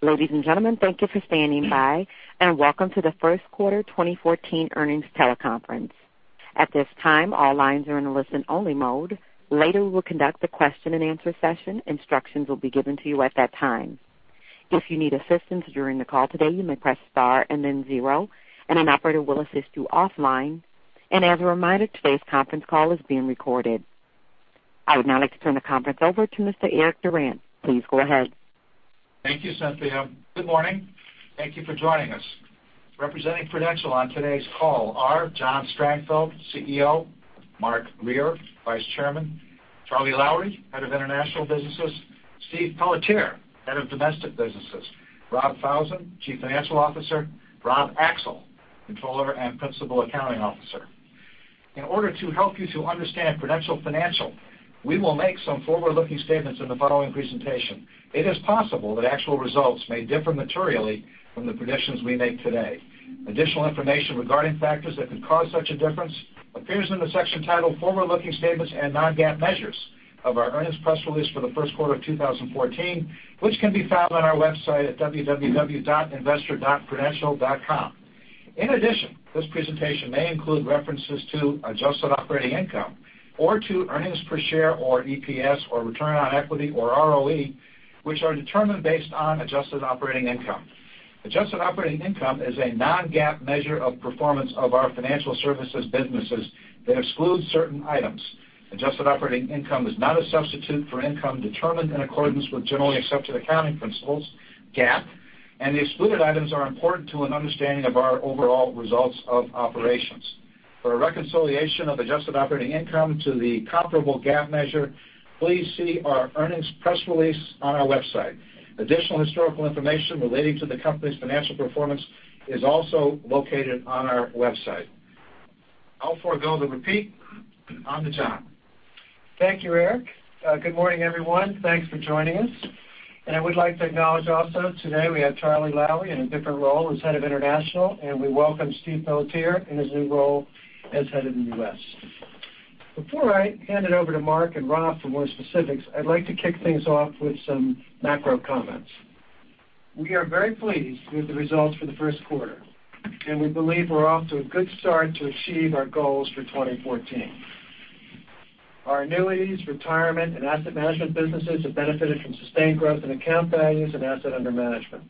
Ladies and gentlemen, thank you for standing by. Welcome to the first quarter 2014 earnings teleconference. At this time, all lines are in a listen-only mode. Later, we'll conduct a question and answer session. Instructions will be given to you at that time. If you need assistance during the call today, you may press star and then zero, and an operator will assist you offline. As a reminder, today's conference call is being recorded. I would now like to turn the conference over to Mr. Eric Durant. Please go ahead. Thank you, Cynthia. Good morning. Thank you for joining us. Representing Prudential on today's call are John Strangfeld, CEO; Mark Grier, Vice Chairman; Charlie Lowrey, Head of International Businesses; Steve Pelletier, Head of Domestic Businesses; Robert Falzon, Chief Financial Officer; Rob Axel, Controller and Principal Accounting Officer. In order to help you to understand Prudential Financial, we will make some forward-looking statements in the following presentation. It is possible that actual results may differ materially from the predictions we make today. Additional information regarding factors that could cause such a difference appears in the section titled "Forward-Looking Statements and Non-GAAP Measures" of our earnings press release for the first quarter of 2014, which can be found on our website at www.investor.prudential.com. In addition, this presentation may include references to Adjusted operating income or to earnings per share or EPS or return on equity or ROE, which are determined based on Adjusted operating income. Adjusted operating income is a non-GAAP measure of performance of our financial services businesses that excludes certain items. Adjusted operating income is not a substitute for income determined in accordance with generally accepted accounting principles, GAAP, and the excluded items are important to an understanding of our overall results of operations. For a reconciliation of Adjusted operating income to the comparable GAAP measure, please see our earnings press release on our website. Additional historical information relating to the company's financial performance is also located on our website. I'll forego the repeat. On to John. Thank you, Eric. Good morning, everyone. Thanks for joining us. I would like to acknowledge also today we have Charlie Lowrey in a different role as head of international, and we welcome Steve Pelletier in his new role as head of the U.S. Before I hand it over to Mark and Rob for more specifics, I'd like to kick things off with some macro comments. We are very pleased with the results for the first quarter. We believe we're off to a good start to achieve our goals for 2014. Our annuities, retirement, and asset management businesses have benefited from sustained growth in account values and asset under management.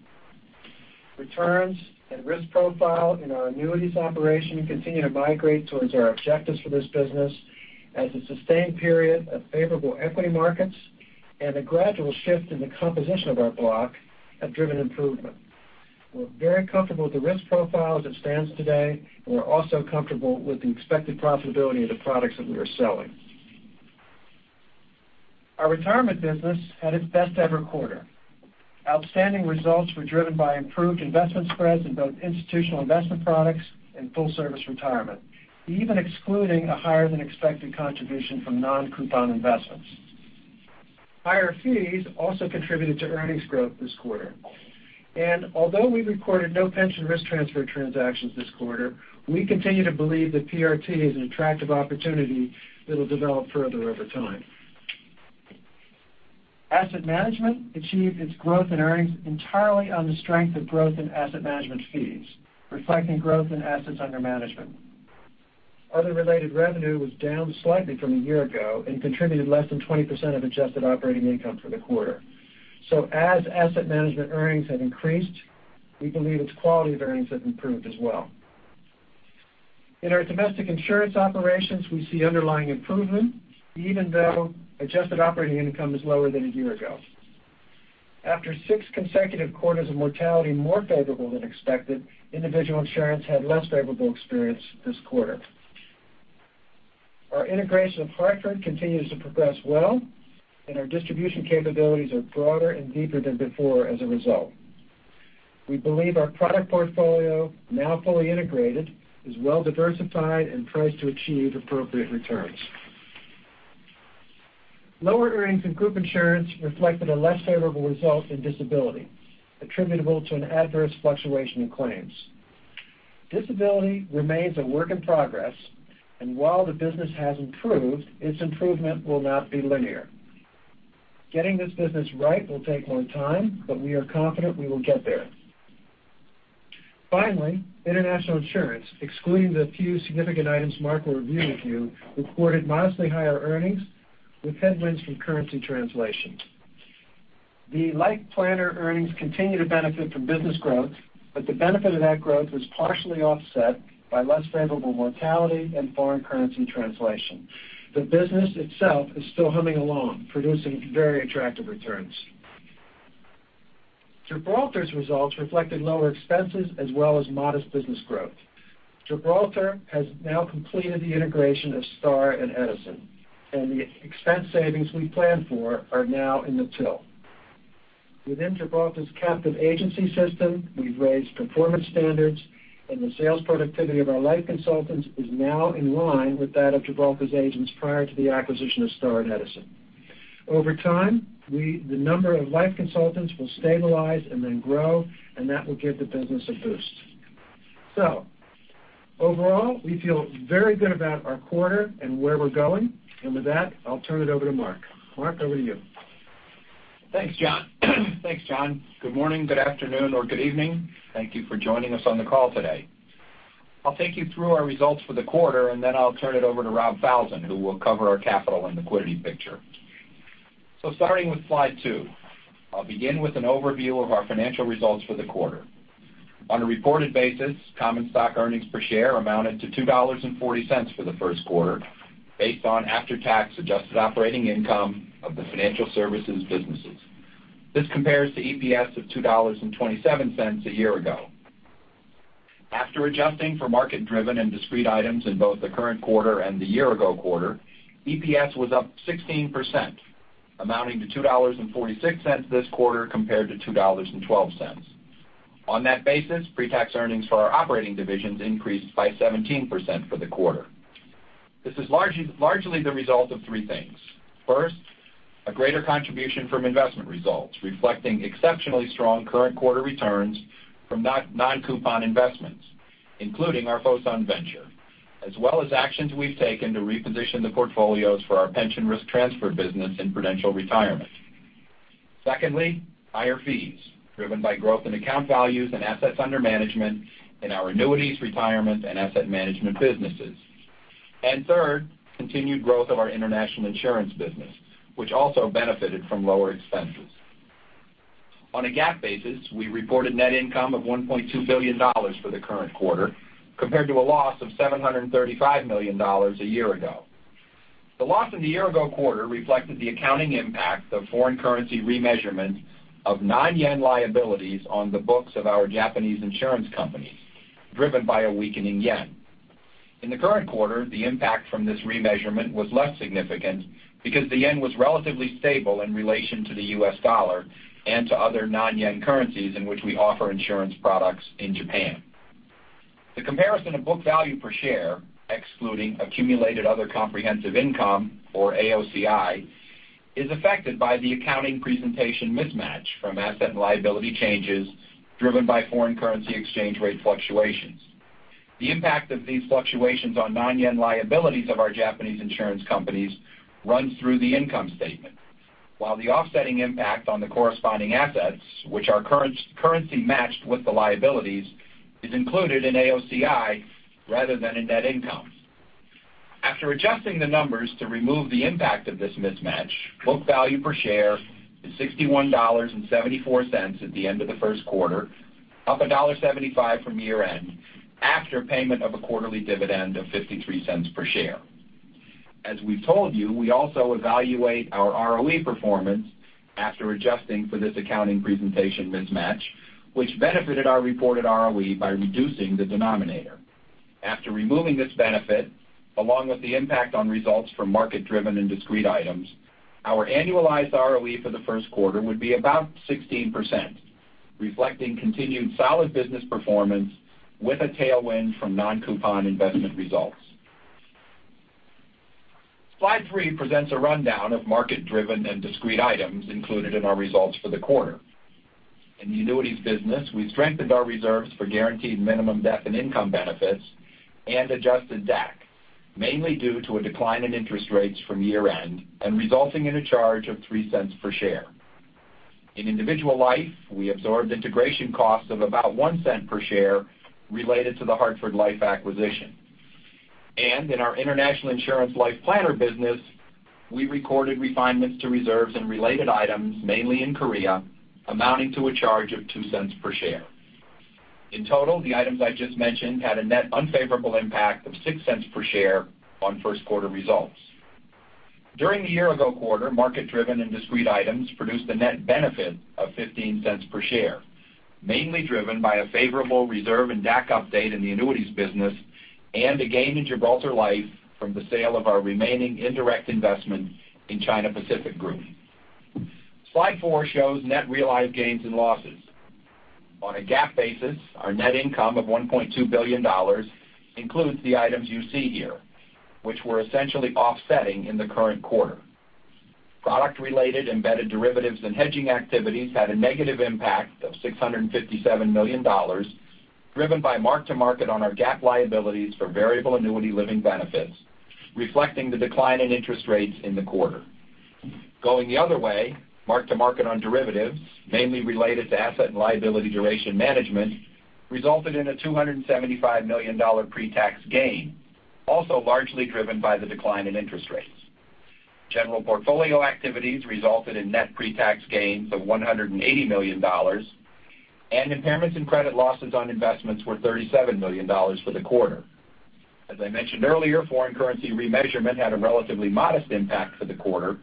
Returns and risk profile in our annuities operation continue to migrate towards our objectives for this business as a sustained period of favorable equity markets and a gradual shift in the composition of our block have driven improvement. We're very comfortable with the risk profile as it stands today, and we're also comfortable with the expected profitability of the products that we are selling. Our retirement business had its best ever quarter. Outstanding results were driven by improved investment spreads in both institutional investment products and full-service retirement, even excluding a higher than expected contribution from non-coupon investments. Higher fees also contributed to earnings growth this quarter. Although we recorded no pension risk transfer transactions this quarter, we continue to believe that PRT is an attractive opportunity that'll develop further over time. Asset management achieved its growth in earnings entirely on the strength of growth in asset management fees, reflecting growth in assets under management. Other related revenue was down slightly from a year ago and contributed less than 20% of adjusted operating income for the quarter. As asset management earnings have increased, we believe its quality of earnings have improved as well. In our domestic insurance operations, we see underlying improvement even though adjusted operating income is lower than a year ago. After six consecutive quarters of mortality more favorable than expected, individual insurance had less favorable experience this quarter. Our integration of Hartford continues to progress well, and our distribution capabilities are broader and deeper than before as a result. We believe our product portfolio, now fully integrated, is well-diversified and priced to achieve appropriate returns. Lower earnings in group insurance reflected a less favorable result in disability attributable to an adverse fluctuation in claims. Disability remains a work in progress, and while the business has improved, its improvement will not be linear. Getting this business right will take more time, but we are confident we will get there. Finally, international insurance, excluding the few significant items Mark will review with you, reported modestly higher earnings with headwinds from currency translation. The LifePlanner earnings continue to benefit from business growth, but the benefit of that growth was partially offset by less favorable mortality and foreign currency translation. The business itself is still humming along, producing very attractive returns. Gibraltar's results reflected lower expenses as well as modest business growth. Gibraltar has now completed the integration of Star and Edison, and the expense savings we planned for are now in the till. Within Gibraltar's captive agency system, we've raised performance standards, and the sales productivity of our life consultants is now in line with that of Gibraltar's agents prior to the acquisition of Star and Edison. Over time, the number of life consultants will stabilize and then grow, and that will give the business a boost. Overall, we feel very good about our quarter and where we're going. With that, I'll turn it over to Mark. Mark, over to you. Thanks, John. Thanks, John. Good morning, good afternoon, or good evening. Thank you for joining us on the call today. I'll take you through our results for the quarter. Then I'll turn it over to Rob Falzon, who will cover our capital and liquidity picture. Starting with slide two, I'll begin with an overview of our financial results for the quarter. On a reported basis, common stock earnings per share amounted to $2.40 for the first quarter, based on after-tax adjusted operating income of the financial services businesses. This compares to EPS of $2.27 a year ago. After adjusting for market-driven and discrete items in both the current quarter and the year-ago quarter, EPS was up 16%, amounting to $2.46 this quarter, compared to $2.12. On that basis, pre-tax earnings for our operating divisions increased by 17% for the quarter. This is largely the result of three things. First, a greater contribution from investment results reflecting exceptionally strong current quarter returns from non-coupon investments, including our Fosun venture, as well as actions we've taken to reposition the portfolios for our pension risk transfer business in Prudential Retirement. Secondly, higher fees driven by growth in account values and assets under management in our annuities, retirement, and asset management businesses. Third, continued growth of our international insurance business, which also benefited from lower expenses. On a GAAP basis, we reported net income of $1.2 billion for the current quarter, compared to a loss of $735 million a year ago. The loss in the year-ago quarter reflected the accounting impact of foreign currency remeasurement of non-yen liabilities on the books of our Japanese insurance companies, driven by a weakening yen. In the current quarter, the impact from this remeasurement was less significant because the yen was relatively stable in relation to the U.S. dollar and to other non-yen currencies in which we offer insurance products in Japan. The comparison of book value per share, excluding accumulated other comprehensive income, or AOCI, is affected by the accounting presentation mismatch from asset and liability changes driven by foreign currency exchange rate fluctuations. The impact of these fluctuations on non-yen liabilities of our Japanese insurance companies runs through the income statement, while the offsetting impact on the corresponding assets, which are currency matched with the liabilities, is included in AOCI rather than in net income. After adjusting the numbers to remove the impact of this mismatch, book value per share is $61.74 at the end of the first quarter, up $1.75 from year-end, after payment of a quarterly dividend of $0.53 per share. As we've told you, we also evaluate our ROE performance after adjusting for this accounting presentation mismatch, which benefited our reported ROE by reducing the denominator. After removing this benefit, along with the impact on results from market-driven and discrete items, our annualized ROE for the first quarter would be about 16%, reflecting continued solid business performance with a tailwind from non-coupon investment results. Slide three presents a rundown of market-driven and discrete items included in our results for the quarter. In the annuities business, we strengthened our reserves for guaranteed minimum death and income benefits and adjusted DAC, mainly due to a decline in interest rates from year-end and resulting in a charge of $0.03 per share. In individual life, we absorbed integration costs of about $0.01 per share related to the Hartford Life acquisition. In our international insurance LifePlanner business, we recorded refinements to reserves and related items, mainly in Korea, amounting to a charge of $0.02 per share. In total, the items I just mentioned had a net unfavorable impact of $0.06 per share on first-quarter results. During the year-ago quarter, market-driven and discrete items produced a net benefit of $0.15 per share, mainly driven by a favorable reserve and DAC update in the annuities business and a gain in Gibraltar Life from the sale of our remaining indirect investment in China Pacific Group. Slide four shows net realized gains and losses. On a GAAP basis, our net income of $1.2 billion includes the items you see here, which were essentially offsetting in the current quarter. Product-related embedded derivatives and hedging activities had a negative impact of $657 million, driven by mark-to-market on our GAAP liabilities for variable annuity living benefits, reflecting the decline in interest rates in the quarter. Going the other way, mark-to-market on derivatives, mainly related to asset and liability duration management, resulted in a $275 million pre-tax gain, also largely driven by the decline in interest rates. General portfolio activities resulted in net pre-tax gains of $180 million, and impairments and credit losses on investments were $37 million for the quarter. As I mentioned earlier, foreign currency remeasurement had a relatively modest impact for the quarter,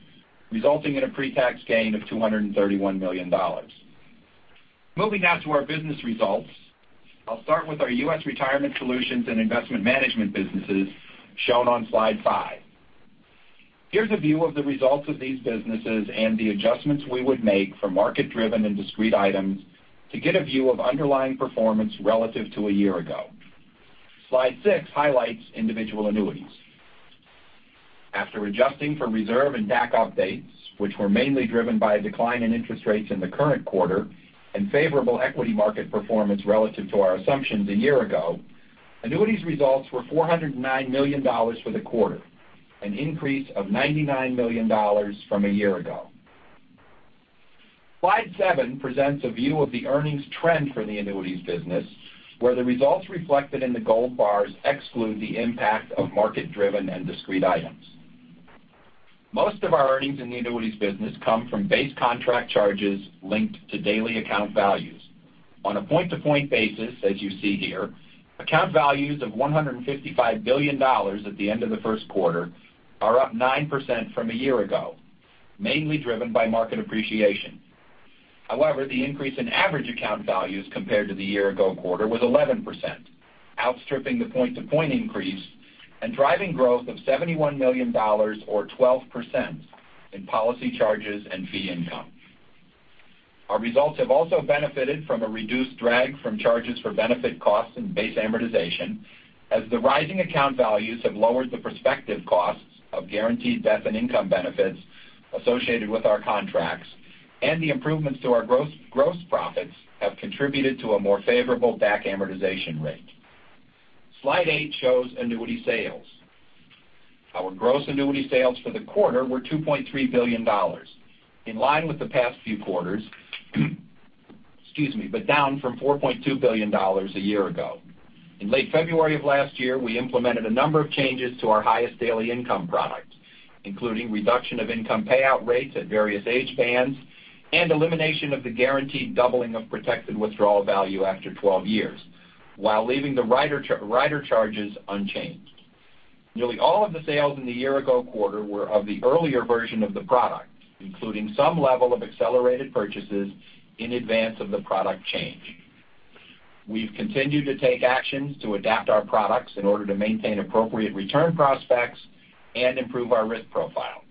resulting in a pre-tax gain of $231 million. Moving now to our business results, I'll start with our U.S. retirement solutions and investment management businesses, shown on slide five. Here's a view of the results of these businesses and the adjustments we would make for market-driven and discrete items to get a view of underlying performance relative to a year ago. Slide six highlights individual annuities. After adjusting for reserve and DAC updates, which were mainly driven by a decline in interest rates in the current quarter and favorable equity market performance relative to our assumptions a year ago, annuities results were $409 million for the quarter, an increase of $99 million from a year ago. Slide seven presents a view of the earnings trend for the annuities business, where the results reflected in the gold bars exclude the impact of market-driven and discrete items. Most of our earnings in the annuities business come from base contract charges linked to daily account values. On a point-to-point basis, as you see here, account values of $155 billion at the end of the first quarter are up 9% from a year ago, mainly driven by market appreciation. However, the increase in average account values compared to the year ago quarter was 11%, outstripping the point-to-point increase and driving growth of $71 million or 12% in policy charges and fee income. Our results have also benefited from a reduced drag from charges for benefit costs and base amortization as the rising account values have lowered the prospective costs of guaranteed death and income benefits associated with our contracts, and the improvements to our gross profits have contributed to a more favorable DAC amortization rate. Slide eight shows annuity sales. Our gross annuity sales for the quarter were $2.3 billion, in line with the past few quarters, but down from $4.2 billion a year ago. In late February of last year, we implemented a number of changes to our highest daily income products, including reduction of income payout rates at various age bands and elimination of the guaranteed doubling of protected withdrawal value after 12 years, while leaving the rider charges unchanged. Nearly all of the sales in the year ago quarter were of the earlier version of the product, including some level of accelerated purchases in advance of the product change. We've continued to take actions to adapt our products in order to maintain appropriate return prospects and improve our risk profile.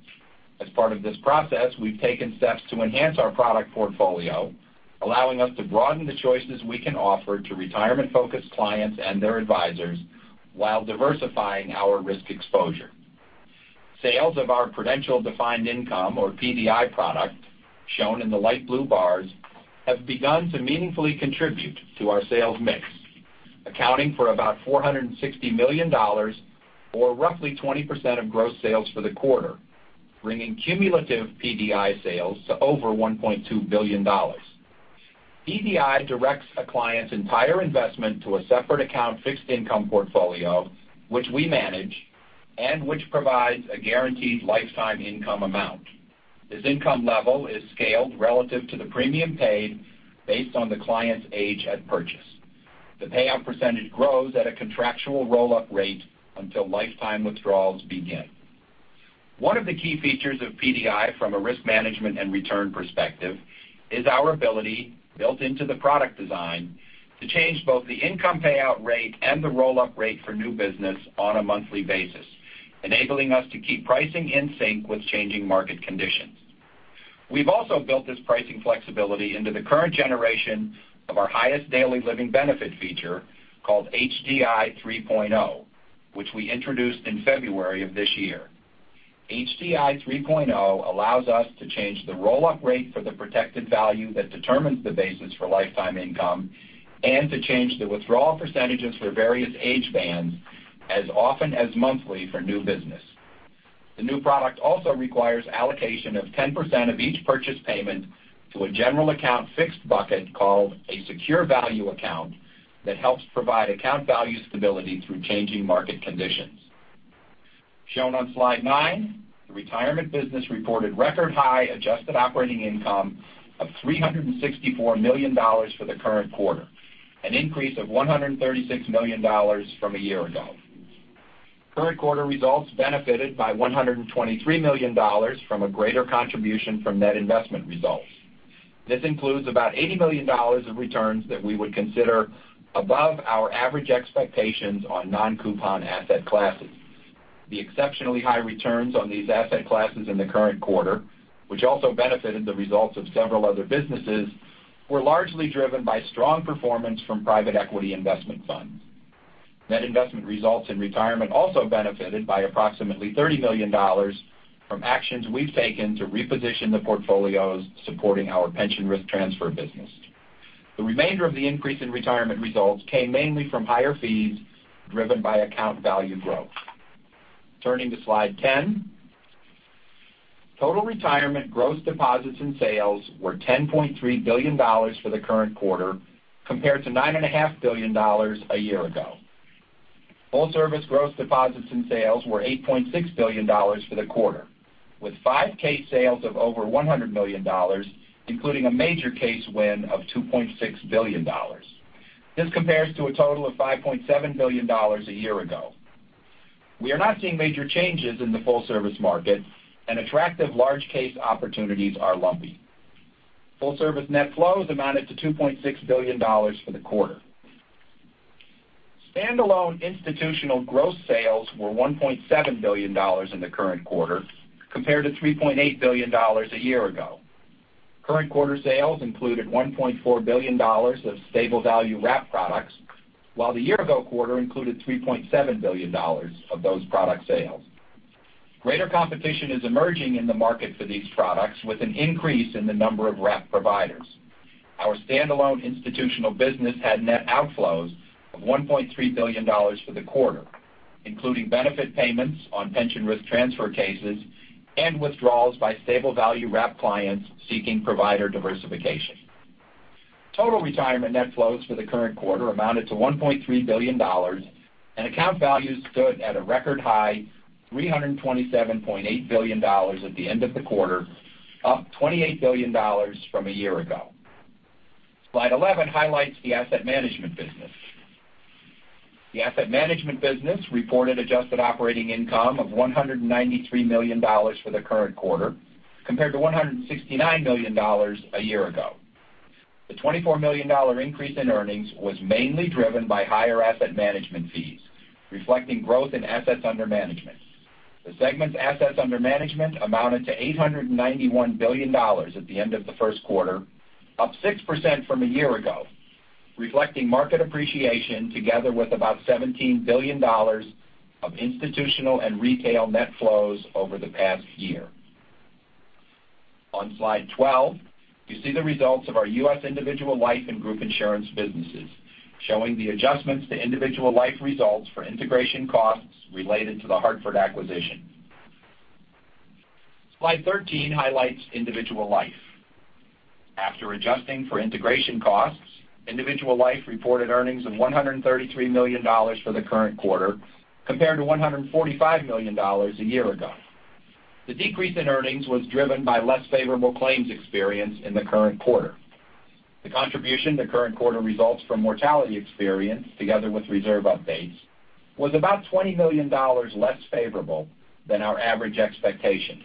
As part of this process, we've taken steps to enhance our product portfolio, allowing us to broaden the choices we can offer to retirement-focused clients and their advisors while diversifying our risk exposure. Sales of our Prudential Defined Income, or PDI product, shown in the light blue bars, have begun to meaningfully contribute to our sales mix, accounting for about $460 million or roughly 20% of gross sales for the quarter, bringing cumulative PDI sales to over $1.2 billion. PDI directs a client's entire investment to a separate account fixed income portfolio, which we manage and which provides a guaranteed lifetime income amount. This income level is scaled relative to the premium paid based on the client's age at purchase. The payout percentage grows at a contractual roll-up rate until lifetime withdrawals begin. One of the key features of PDI from a risk management and return perspective is our ability, built into the product design, to change both the income payout rate and the roll-up rate for new business on a monthly basis, enabling us to keep pricing in sync with changing market conditions. We've also built this pricing flexibility into the current generation of our highest daily living benefit feature called HDI 3.0, which we introduced in February of this year. HDI 3.0 allows us to change the roll-up rate for the protected value that determines the basis for lifetime income and to change the withdrawal percentages for various age bands as often as monthly for new business. The new product also requires allocation of 10% of each purchase payment to a general account fixed bucket called a Secure Value Account that helps provide account value stability through changing market conditions. Shown on slide nine, the retirement business reported record high adjusted operating income of $364 million for the current quarter, an increase of $136 million from a year ago. Current quarter results benefited by $123 million from a greater contribution from net investment results. This includes about $80 million of returns that we would consider above our average expectations on non-coupon asset classes. The exceptionally high returns on these asset classes in the current quarter, which also benefited the results of several other businesses, were largely driven by strong performance from private equity investment funds. Net investment results in retirement also benefited by approximately $30 million from actions we've taken to reposition the portfolios supporting our pension risk transfer business. The remainder of the increase in retirement results came mainly from higher fees driven by account value growth. Turning to slide 10, total retirement gross deposits and sales were $10.3 billion for the current quarter compared to $9.5 billion a year ago. Full-service gross deposits and sales were $8.6 billion for the quarter, with five case sales of over $100 million, including a major case win of $2.6 billion. This compares to a total of $5.7 billion a year ago. We are not seeing major changes in the full-service market and attractive large case opportunities are lumpy. Full-service net flows amounted to $2.6 billion for the quarter. Standalone institutional gross sales were $1.7 billion in the current quarter compared to $3.8 billion a year ago. Current quarter sales included $1.4 billion of stable value wrap products, while the year ago quarter included $3.7 billion of those product sales. Greater competition is emerging in the market for these products with an an increase in the number of wrap providers. Our standalone institutional business had net outflows of $1.3 billion for the quarter, including benefit payments on pension risk transfer cases and withdrawals by stable value wrap clients seeking provider diversification. Total retirement net flows for the current quarter amounted to $1.3 billion, and account values stood at a record high $327.8 billion at the end of the quarter, up $28 billion from a year ago. Slide 11 highlights the asset management business. The asset management business reported adjusted operating income of $193 million for the current quarter, compared to $169 million a year ago. The $24 million increase in earnings was mainly driven by higher asset management fees, reflecting growth in assets under management. The segment's assets under management amounted to $891 billion at the end of the first quarter, up 6% from a year ago, reflecting market appreciation together with about $17 billion of institutional and retail net flows over the past year. On slide 12, you see the results of our U.S. individual life and group insurance businesses, showing the adjustments to individual life results for integration costs related to The Hartford acquisition. Slide 13 highlights individual life. After adjusting for integration costs, individual life reported earnings of $133 million for the current quarter, compared to $145 million a year ago. The decrease in earnings was driven by less favorable claims experience in the current quarter. The contribution to current quarter results from mortality experience, together with reserve updates, was about $20 million less favorable than our average expectations.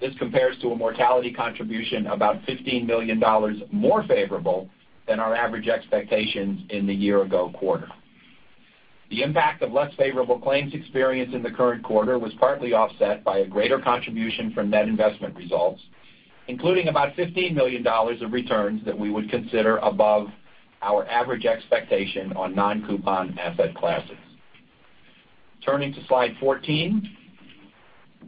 This compares to a mortality contribution about $15 million more favorable than our average expectations in the year-ago quarter. The impact of less favorable claims experience in the current quarter was partly offset by a greater contribution from net investment results, including about $15 million of returns that we would consider above our average expectation on non-coupon asset classes. Turning to slide 14,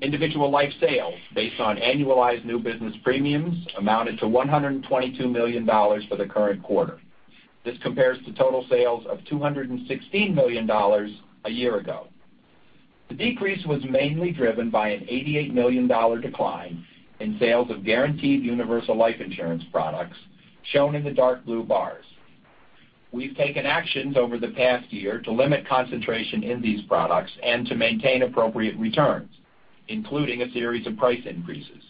individual life sales based on annualized new business premiums amounted to $122 million for the current quarter. This compares to total sales of $216 million a year ago. The decrease was mainly driven by an $88 million decline in sales of guaranteed universal life insurance products, shown in the dark blue bars. We've taken actions over the past year to limit concentration in these products and to maintain appropriate returns, including a series of price increases.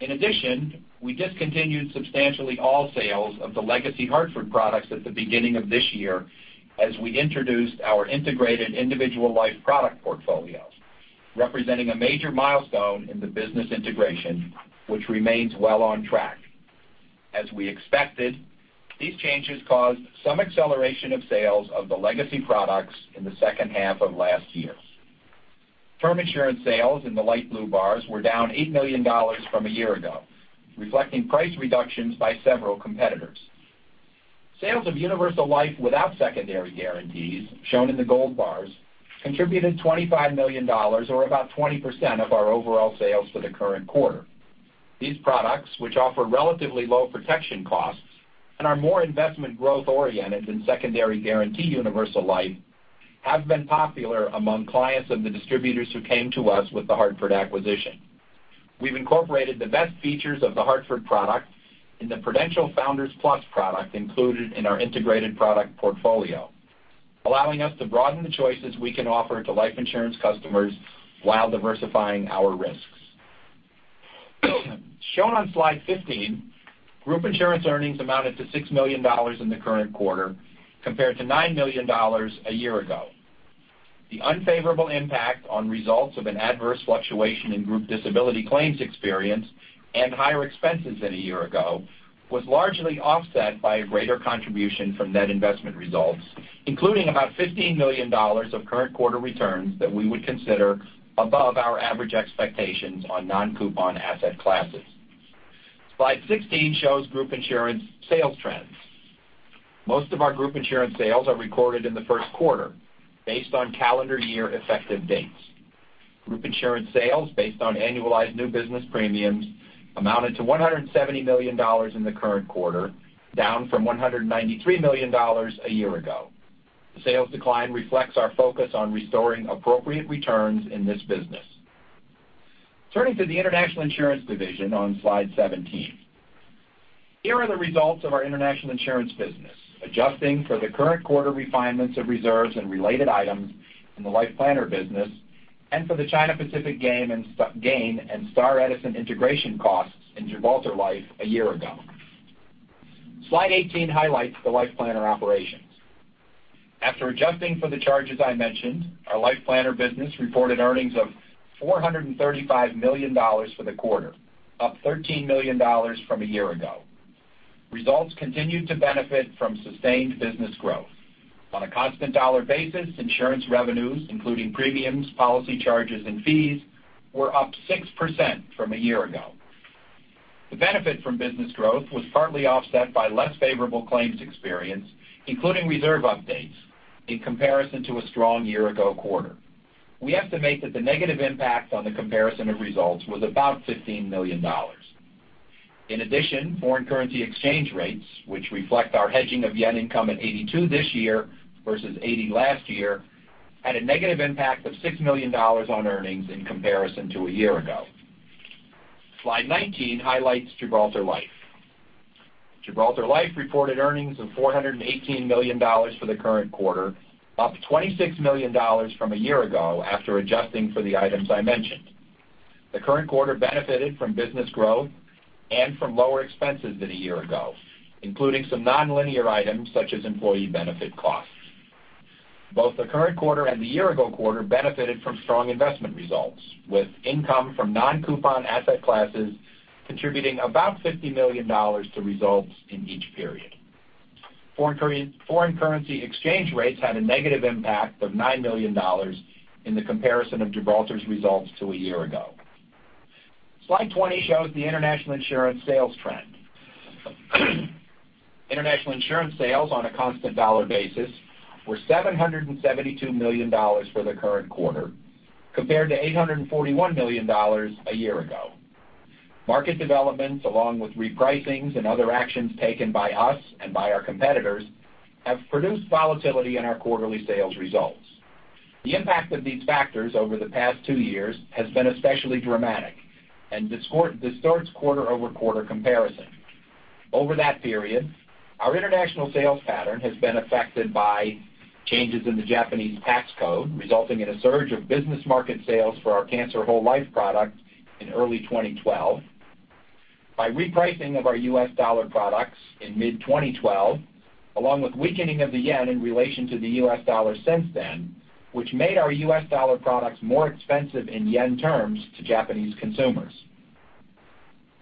In addition, we discontinued substantially all sales of the legacy The Hartford products at the beginning of this year as we introduced our integrated individual life product portfolios, representing a major milestone in the business integration, which remains well on track. As we expected, these changes caused some acceleration of sales of the legacy products in the second half of last year. Term insurance sales in the light blue bars were down $8 million from a year ago, reflecting price reductions by several competitors. Sales of universal life without secondary guarantees, shown in the gold bars, contributed $25 million, or about 20% of our overall sales for the current quarter. These products, which offer relatively low protection costs and are more investment growth oriented than secondary guarantee universal life, have been popular among clients of the distributors who came to us with The Hartford acquisition. We've incorporated the best features of The Hartford product in the PruLife Founders Plus product included in our integrated product portfolio, allowing us to broaden the choices we can offer to life insurance customers while diversifying our risks. Shown on slide 15, group insurance earnings amounted to $6 million in the current quarter, compared to $9 million a year ago. The unfavorable impact on results of an adverse fluctuation in group disability claims experience and higher expenses than a year ago was largely offset by a greater contribution from net investment results, including about $15 million of current quarter returns that we would consider above our average expectations on non-coupon asset classes. Slide 16 shows group insurance sales trends. Most of our group insurance sales are recorded in the first quarter, based on calendar year effective dates. Group insurance sales, based on annualized new business premiums, amounted to $170 million in the current quarter, down from $193 million a year ago. The sales decline reflects our focus on restoring appropriate returns in this business. Turning to the international insurance division on slide 17. Here are the results of our international insurance business, adjusting for the current quarter refinements of reserves and related items in the LifePlanner business, and for the China Pacific gain and Star and Edison integration costs in Gibraltar Life a year ago. Slide 18 highlights the LifePlanner operations. After adjusting for the charges I mentioned, our LifePlanner business reported earnings of $435 million for the quarter, up $13 million from a year ago. Results continued to benefit from sustained business growth. On a constant dollar basis, insurance revenues, including premiums, policy charges, and fees, were up 6% from a year ago. The benefit from business growth was partly offset by less favorable claims experience, including reserve updates in comparison to a strong year-ago quarter. We estimate that the negative impact on the comparison of results was about $15 million. In addition, foreign currency exchange rates, which reflect our hedging of JPY income at 82 this year versus 80 last year, had a negative impact of $6 million on earnings in comparison to a year ago. Slide 19 highlights Gibraltar Life. Gibraltar Life reported earnings of $418 million for the current quarter, up $26 million from a year ago after adjusting for the items I mentioned. The current quarter benefited from business growth and from lower expenses than a year ago, including some nonlinear items such as employee benefit costs. Both the current quarter and the year-ago quarter benefited from strong investment results, with income from non-coupon asset classes contributing about $50 million to results in each period. Foreign currency exchange rates had a negative impact of $9 million in the comparison of Gibraltar's results to a year ago. Slide 20 shows the international insurance sales trend. International insurance sales on a constant dollar basis were $772 million for the current quarter, compared to $841 million a year ago. Market developments, along with repricings and other actions taken by us and by our competitors, have produced volatility in our quarterly sales results. The impact of these factors over the past two years has been especially dramatic and distorts quarter-over-quarter comparison. Over that period, our international sales pattern has been affected by changes in the Japanese tax code, resulting in a surge of business market sales for our cancer whole life product in early 2012. By repricing of our U.S. dollar products in mid-2012, along with weakening of the JPY in relation to the U.S. dollar since then, which made our U.S. dollar products more expensive in JPY terms to Japanese consumers.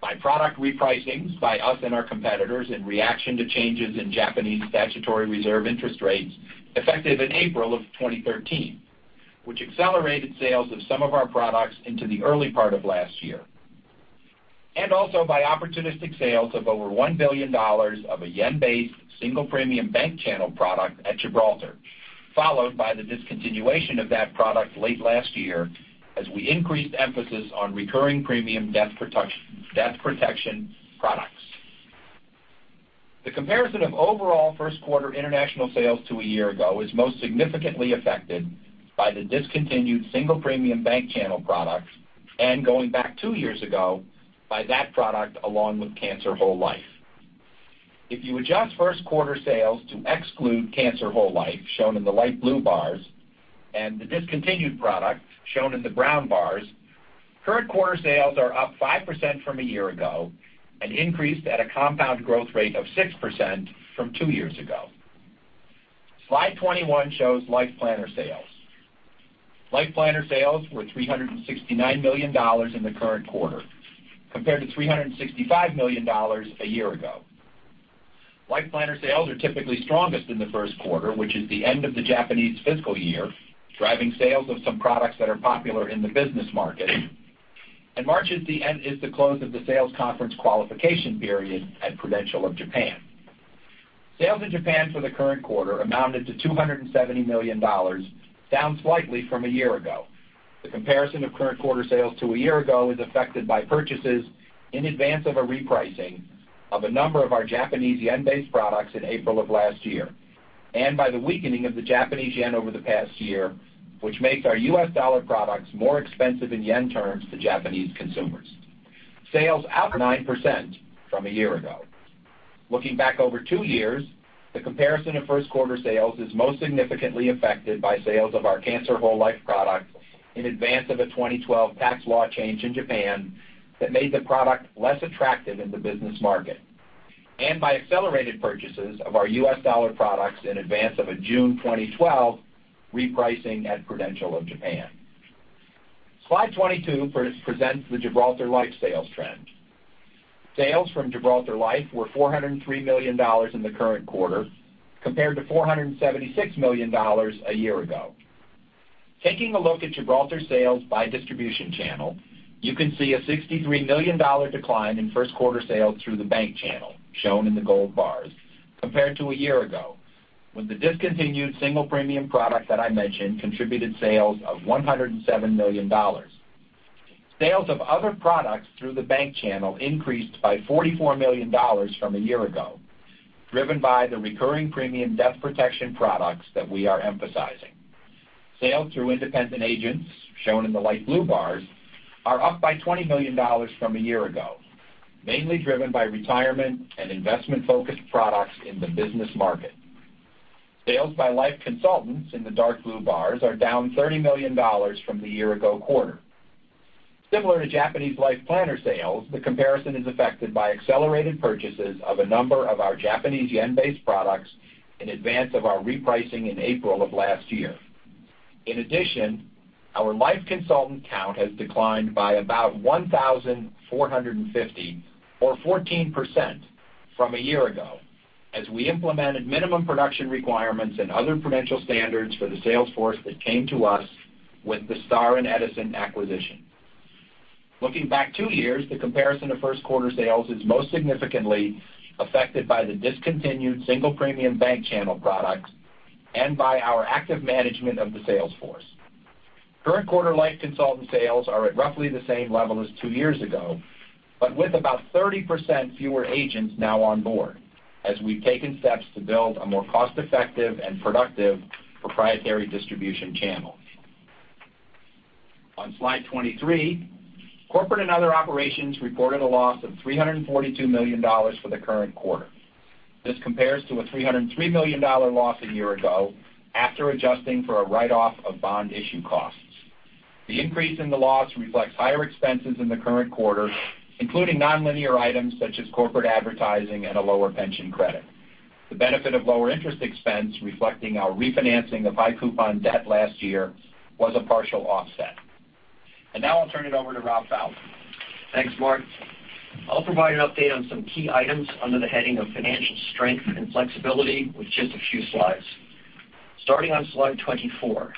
By product repricings by us and our competitors in reaction to changes in Japanese statutory reserve interest rates effective in April of 2013, which accelerated sales of some of our products into the early part of last year. Also by opportunistic sales of over JPY 1 billion of a JPY-based single premium bank channel product at Gibraltar, followed by the discontinuation of that product late last year as we increased emphasis on recurring premium death protection products. The comparison of overall first quarter international sales to a year ago is most significantly affected by the discontinued single premium bank channel products, and going back two years ago, by that product along with cancer whole life. If you adjust first quarter sales to exclude cancer whole life, shown in the light blue bars, and the discontinued product, shown in the brown bars, current quarter sales are up 5% from a year ago and increased at a compound growth rate of 6% from two years ago. Slide 21 shows LifePlanner sales. LifePlanner sales were $369 million in the current quarter compared to $365 million a year ago. LifePlanner sales are typically strongest in the first quarter, which is the end of the Japanese fiscal year, driving sales of some products that are popular in the business market. March is the close of the sales conference qualification period at Prudential of Japan. Sales in Japan for the current quarter amounted to $270 million, down slightly from a year ago. The comparison of current quarter sales to a year ago is affected by purchases in advance of a repricing of a number of our Japanese yen-based products in April of last year, and by the weakening of the Japanese yen over the past year, which makes our U.S. dollar products more expensive in yen terms to Japanese consumers. Sales up 9% from a year ago. Looking back over two years, the comparison of first quarter sales is most significantly affected by sales of our cancer whole life product in advance of a 2012 tax law change in Japan that made the product less attractive in the business market, and by accelerated purchases of our U.S. dollar products in advance of a June 2012 repricing at Prudential of Japan. Slide 22 presents the Gibraltar Life sales trend. Sales from Gibraltar Life were $403 million in the current quarter, compared to $476 million a year ago. Taking a look at Gibraltar's sales by distribution channel, you can see a $63 million decline in first quarter sales through the bank channel, shown in the gold bars, compared to a year ago, with the discontinued single premium product that I mentioned contributed sales of $107 million. Sales of other products through the bank channel increased by $44 million from a year ago, driven by the recurring premium death protection products that we are emphasizing. Sales through independent agents, shown in the light blue bars, are up by $20 million from a year ago, mainly driven by retirement and investment-focused products in the business market. Sales by life consultants, in the dark blue bars, are down $30 million from the year-ago quarter. Similar to Japanese LifePlanner sales, the comparison is affected by accelerated purchases of a number of our Japanese yen-based products in advance of our repricing in April of last year. In addition, our life consultant count has declined by about 1,450 or 14% from a year ago as we implemented minimum production requirements and other Prudential standards for the sales force that came to us with the Star and Edison acquisition. Looking back two years, the comparison of first quarter sales is most significantly affected by the discontinued single premium bank channel product and by our active management of the sales force. Current quarter life consultant sales are at roughly the same level as two years ago, but with about 30% fewer agents now on board as we've taken steps to build a more cost-effective and productive proprietary distribution channel. On slide 23, corporate and other operations reported a loss of $342 million for the current quarter. This compares to a $303 million loss a year ago after adjusting for a write-off of bond issue costs. The increase in the loss reflects higher expenses in the current quarter, including nonlinear items such as corporate advertising and a lower pension credit. The benefit of lower interest expense reflecting our refinancing of high coupon debt last year was a partial offset. Now I'll turn it over to Rob Falzon. Thanks, Mark. I'll provide an update on some key items under the heading of financial strength and flexibility with just a few slides. Starting on slide 24,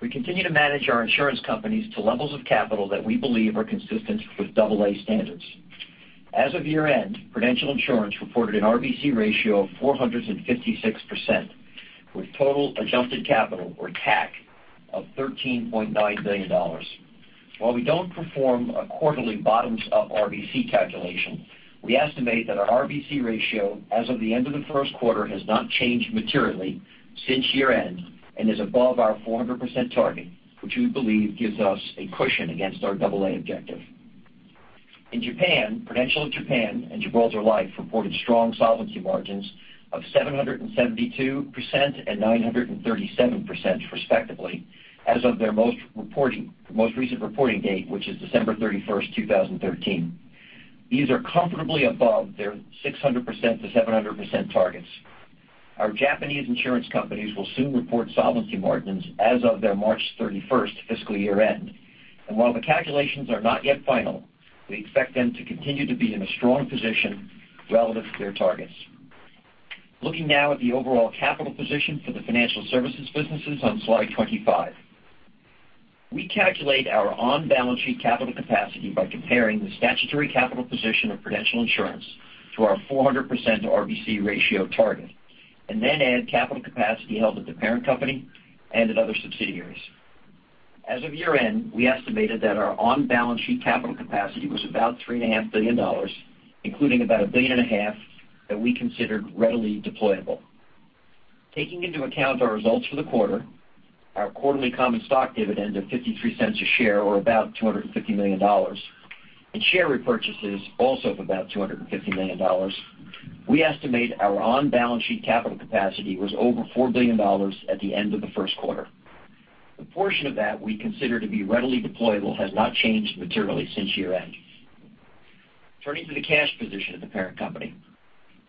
we continue to manage our insurance companies to levels of capital that we believe are consistent with AA standards. As of year-end, Prudential Insurance reported an RBC ratio of 456% with total adjusted capital or TAC of $13.9 billion. While we don't perform a quarterly bottoms-up RBC calculation, we estimate that our RBC ratio as of the end of the first quarter has not changed materially since year-end and is above our 400% target, which we believe gives us a cushion against our AA objective. In Japan, Prudential of Japan and Gibraltar Life reported strong solvency margins of 772% and 937%, respectively, as of their most recent reporting date, which is December 31st, 2013. These are comfortably above their 600%-700% targets. Our Japanese insurance companies will soon report solvency margins as of their March 31st fiscal year-end. While the calculations are not yet final, we expect them to continue to be in a strong position relative to their targets. Looking now at the overall capital position for the financial services businesses on slide 25. We calculate our on-balance sheet capital capacity by comparing the statutory capital position of Prudential Insurance to our 400% RBC ratio target, then add capital capacity held at the parent company and at other subsidiaries. As of year-end, we estimated that our on-balance sheet capital capacity was about $3.5 billion, including about a billion and a half that we considered readily deployable. Taking into account our results for the quarter, our quarterly common stock dividend of $0.53 a share or about $250 million, and share repurchases also of about $250 million, we estimate our on-balance sheet capital capacity was over $4 billion at the end of the first quarter. The portion of that we consider to be readily deployable has not changed materially since year-end. Turning to the cash position of the parent company.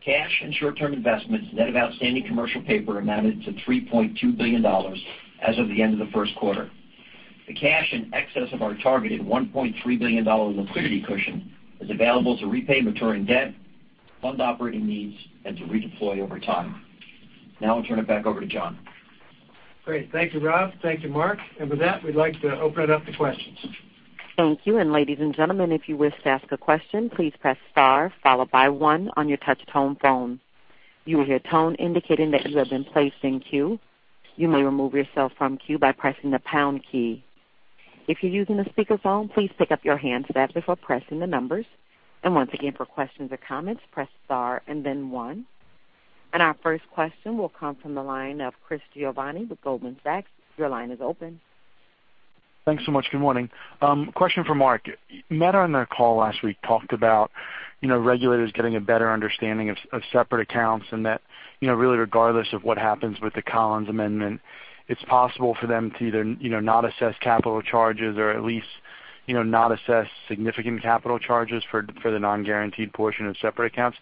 Cash and short-term investments net of outstanding commercial paper amounted to $3.2 billion as of the end of the first quarter. The cash in excess of our targeted $1.3 billion liquidity cushion is available to repay maturing debt, fund operating needs, and to redeploy over time. Now I'll turn it back over to John. Great. Thank you, Rob. Thank you, Mark. With that, we'd like to open it up to questions. Thank you. Ladies and gentlemen, if you wish to ask a question, please press star followed by one on your touch tone phone. You will hear a tone indicating that you have been placed in queue. You may remove yourself from queue by pressing the pound key. If you're using a speakerphone, please pick up your handset before pressing the numbers. Once again, for questions or comments, press star and then one. Our first question will come from the line of Chris Giovanni with Goldman Sachs. Your line is open. Thanks so much. Good morning. Question for Mark. MetLife on our call last week talked about regulators getting a better understanding of separate accounts and that, really regardless of what happens with the Collins Amendment, it's possible for them to either not assess capital charges or at least not assess significant capital charges for the non-guaranteed portion of separate accounts.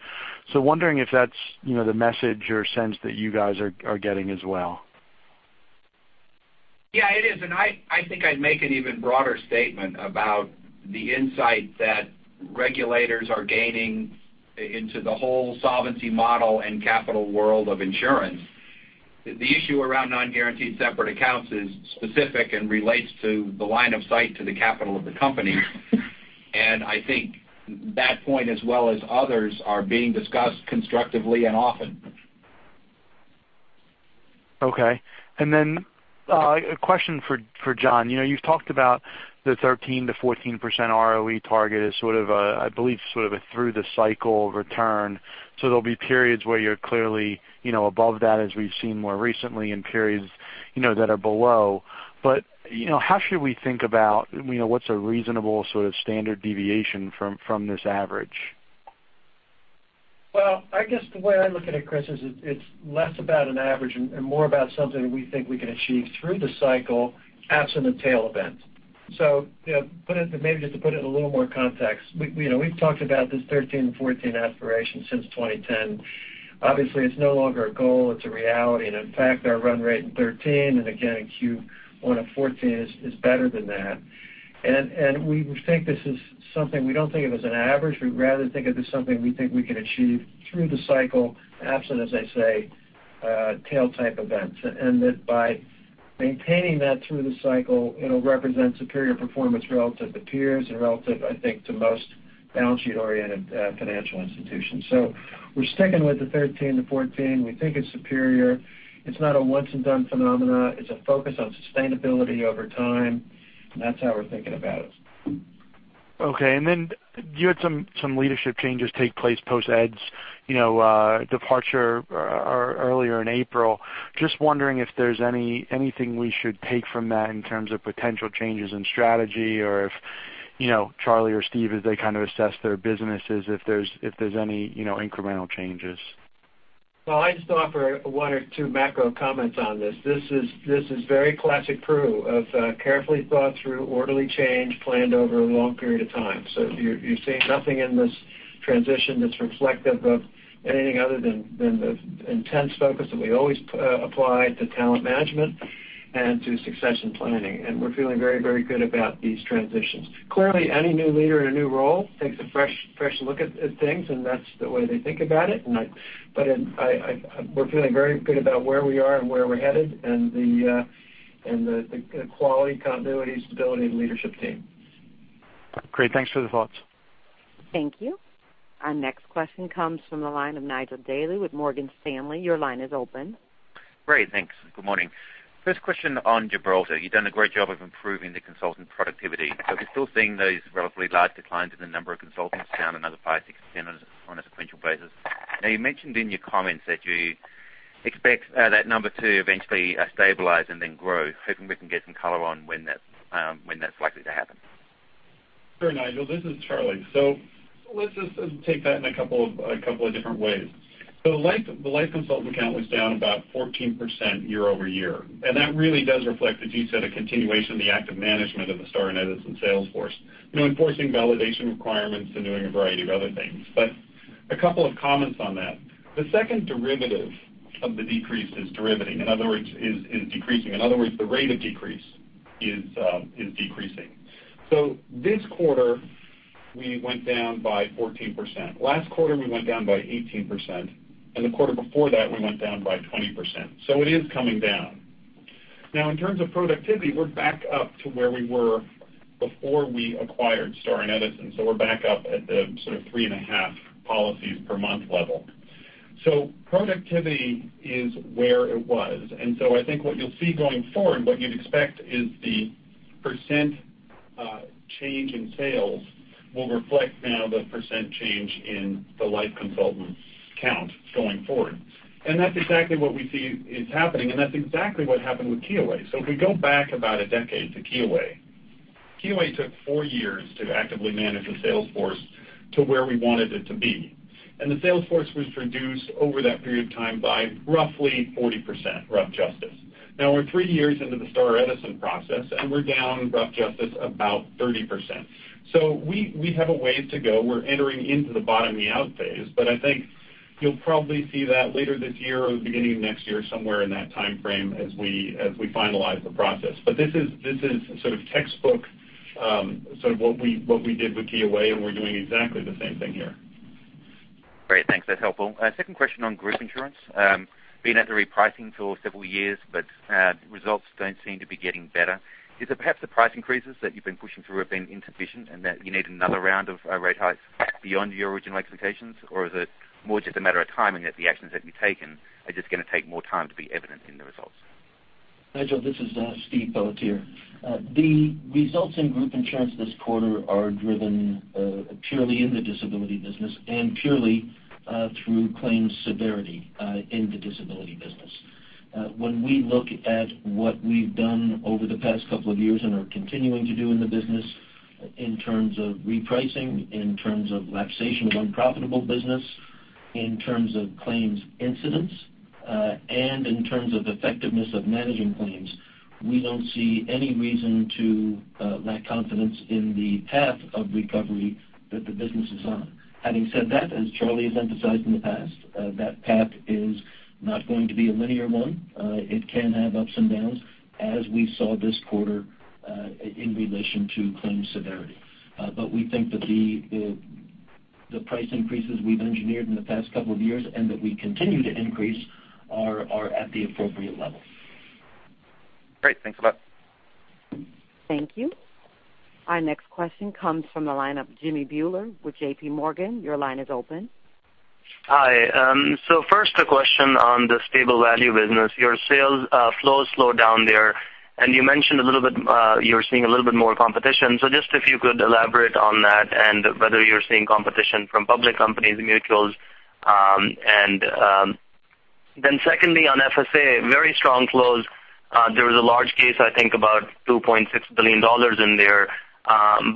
Wondering if that's the message or sense that you guys are getting as well. Yeah, it is, and I think I'd make an even broader statement about the insight that regulators are gaining into the whole solvency model and capital world of insurance. The issue around non-guaranteed separate accounts is specific and relates to the line of sight to the capital of the company, and I think that point as well as others are being discussed constructively and often. Okay. A question for John. You've talked about the 13%-14% ROE target as sort of a, I believe, sort of a through the cycle return. There'll be periods where you're clearly above that as we've seen more recently in periods that are below. How should we think about what's a reasonable sort of standard deviation from this average? Well, I guess the way I look at it, Chris, is it's less about an average and more about something that we think we can achieve through the cycle absent a tail event. Maybe just to put it in a little more context, we've talked about this 13.0, 14.0 aspiration since 2010. Obviously, it's no longer a goal, it's a reality. In fact, our run rate in 2013, again in Q1 of 2014, is better than that. We think this is something, we don't think of as an average. We'd rather think of this as something we think we can achieve through the cycle, absent, as I say, tail-type events. By maintaining that through the cycle, it'll represent superior performance relative to peers and relative, I think, to most balance sheet-oriented financial institutions. We're sticking with the 13.0 to 14.0. We think it's superior. It's not a once-and-done phenomenon. It's a focus on sustainability over time, that's how we're thinking about it. Okay, you had some leadership changes take place post Ed's departure earlier in April. Just wondering if there's anything we should take from that in terms of potential changes in strategy or if Charlie or Steve, as they kind of assess their businesses, if there's any incremental changes. I'd just offer one or two macro comments on this. This is very classic Pru of carefully thought through, orderly change planned over a long period of time. You're seeing nothing in this transition that's reflective of anything other than the intense focus that we always apply to talent management and to succession planning. We're feeling very good about these transitions. Clearly, any new leader in a new role takes a fresh look at things, and that's the way they think about it. We're feeling very good about where we are and where we're headed and the quality, continuity, stability of the leadership team. Great. Thanks for the thoughts. Thank you. Our next question comes from the line of Nigel Dally with Morgan Stanley. Your line is open. Great, thanks. Good morning. First question on Gibraltar. You've done a great job of improving the consultant productivity, but we're still seeing those relatively large declines in the number of consultants down another 5%-6% on a sequential basis. You mentioned in your comments that you expect that number to eventually stabilize and then grow. If we can get some color on when that's likely to happen. Sure, Nigel. This is Charlie. Let's just take that in a couple of different ways. The life consultant count was down about 14% year-over-year, and that really does reflect, as you said, a continuation of the active management of the Star and Edison sales force. Enforcing validation requirements and doing a variety of other things. A couple of comments on that. The second derivative of the decrease is derivating. In other words, is decreasing. In other words, the rate of decrease is decreasing. This quarter, we went down by 14%. Last quarter, we went down by 18%, and the quarter before that, we went down by 20%. It is coming down. In terms of productivity, we're back up to where we were before we acquired Star and Edison. We're back up at the sort of three and a half policies per month level. Productivity is where it was, I think what you'll see going forward, what you'd expect is the percent change in sales will reflect now the percent change in the life consultants count going forward. That's exactly what we see is happening, that's exactly what happened with Kyoei. If we go back about a decade to Kyoei took four years to actively manage the sales force to where we wanted it to be. The sales force was reduced over that period of time by roughly 40%, rough justice. We're three years into the Star Edison process, and we're down, rough justice, about 30%. We have a way to go. We're entering into the bottoming out phase, I think you'll probably see that later this year or the beginning of next year, somewhere in that timeframe as we finalize the process. This is sort of textbook, sort of what we did with Kyoei, we're doing exactly the same thing here. Great. Thanks. That's helpful. Second question on group insurance. Been at the repricing for several years, results don't seem to be getting better. Is it perhaps the price increases that you've been pushing through have been insufficient and that you need another round of rate hikes beyond your original expectations? Is it more just a matter of timing that the actions that you've taken are just going to take more time to be evident in the results? Nigel, this is Steve Pelletier. The results in group insurance this quarter are driven purely in the disability business and purely through claims severity in the disability business. When we look at what we've done over the past couple of years and are continuing to do in the business in terms of repricing, in terms of lapsation of unprofitable business, in terms of claims incidents, and in terms of effectiveness of managing claims, we don't see any reason to lack confidence in the path of recovery that the business is on. Having said that, as Charlie has emphasized in the past, that path is not going to be a linear one. It can have ups and downs as we saw this quarter in relation to claims severity. We think that the price increases we've engineered in the past couple of years and that we continue to increase are at the appropriate level. Great. Thanks a lot. Thank you. Our next question comes from the line of Jimmy Bhullar with J.P. Morgan. Your line is open. Hi. First a question on the stable value business. Your sales flow slowed down there, and you mentioned a little bit you're seeing a little bit more competition. Just if you could elaborate on that and whether you're seeing competition from public companies, mutuals. Secondly, on Full-Service, very strong close. There was a large case, I think about $2.6 billion in there.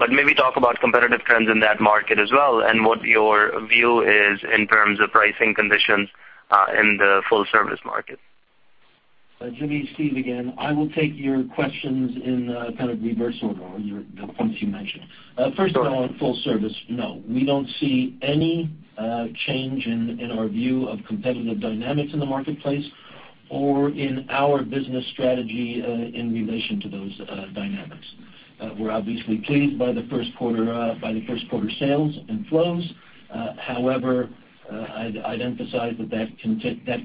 Maybe talk about competitive trends in that market as well and what your view is in terms of pricing conditions in the Full-Service market. Jimmy, Steve again, I will take your questions in kind of reverse order or the points you mentioned. First of all, on Full-Service, no. We don't see any change in our view of competitive dynamics in the marketplace or in our business strategy in relation to those dynamics. We're obviously pleased by the first quarter sales and flows. However, I'd emphasize that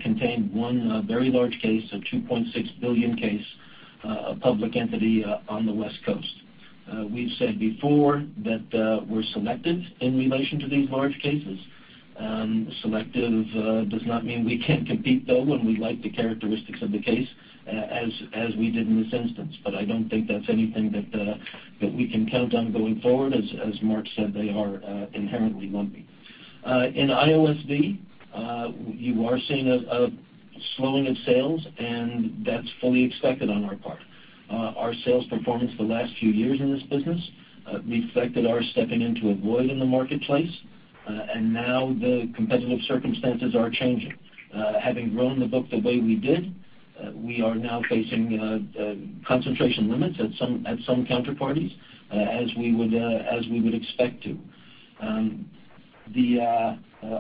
contained one very large case, a $2.6 billion case, a public entity on the West Coast. We've said before that we're selective in relation to these large cases. Selective does not mean we can't compete though, when we like the characteristics of the case, as we did in this instance. I don't think that's anything that we can count on going forward. As Mark said, they are inherently lumpy. In IOSV, you are seeing a slowing of sales, and that's fully expected on our part. Our sales performance the last few years in this business reflected our stepping into a void in the marketplace. Now the competitive circumstances are changing. Having grown the book the way we did, we are now facing concentration limits at some counterparties as we would expect to.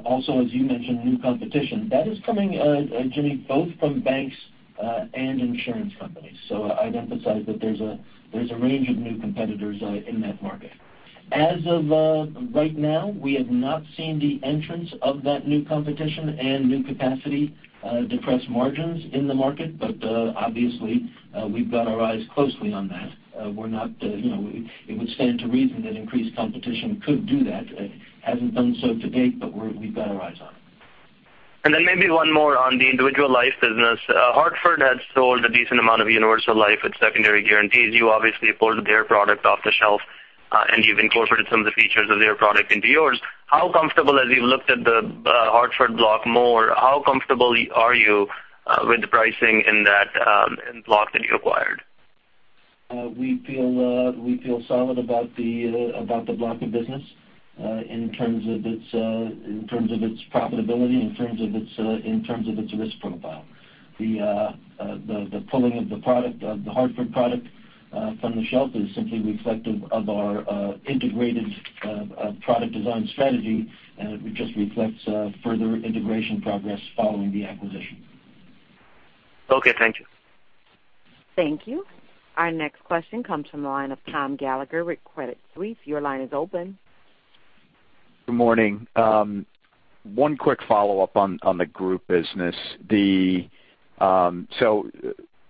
Also, as you mentioned, new competition. That is coming, Jimmy, both from banks and insurance companies. I'd emphasize that there's a range of new competitors in that market. As of right now, we have not seen the entrance of that new competition and new capacity depress margins in the market. Obviously, we've got our eyes closely on that. It would stand to reason that increased competition could do that. It hasn't done so to date, but we've got our eyes on it. Maybe one more on the individual life business. Hartford had sold a decent amount of universal life with secondary guarantees. You obviously pulled their product off the shelf, and you've incorporated some of the features of their product into yours. As you've looked at the Hartford block more, how comfortable are you with the pricing in that block that you acquired? We feel solid about the block of business in terms of its profitability, in terms of its risk profile. The pulling of The Hartford product from the shelf is simply reflective of our integrated product design strategy. It just reflects further integration progress following the acquisition. Okay, thank you. Thank you. Our next question comes from the line of Tom Gallagher with Credit Suisse. Your line is open. Good morning. one quick follow-up on the group business.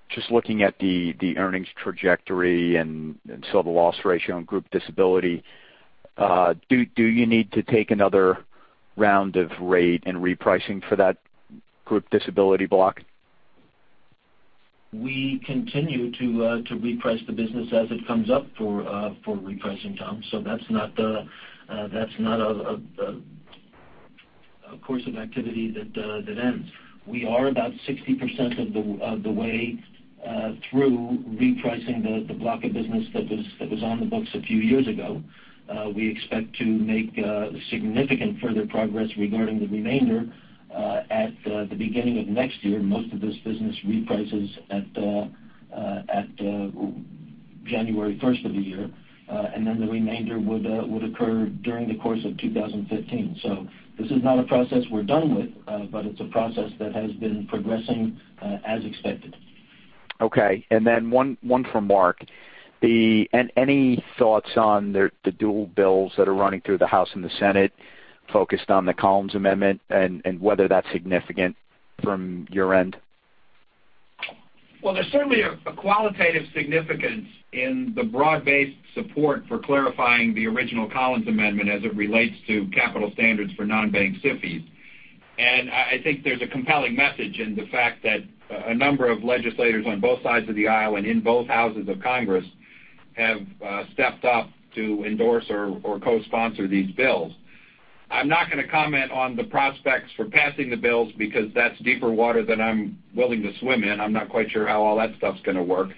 Just looking at the earnings trajectory and civil loss ratio and group disability, do you need to take another round of rate and repricing for that group disability block? We continue to reprice the business as it comes up for repricing, Tom. That's not a course of activity that ends. We are about 60% of the way through repricing the block of business that was on the books a few years ago. We expect to make significant further progress regarding the remainder at the beginning of next year. Most of this business reprices at January 1st of the year. The remainder would occur during the course of 2015. This is not a process we're done with. But it's a process that has been progressing as expected. Okay. One for Mark. Any thoughts on the dual bills that are running through the House and the Senate focused on the Collins Amendment and whether that's significant from your end? There's certainly a qualitative significance in the broad-based support for clarifying the original Collins Amendment as it relates to capital standards for non-bank SIFIs. I think there's a compelling message in the fact that a number of legislators on both sides of the aisle and in both houses of Congress have stepped up to endorse or co-sponsor these bills. I'm not going to comment on the prospects for passing the bills because that's deeper water than I'm willing to swim in. I'm not quite sure how all that stuff's going to work.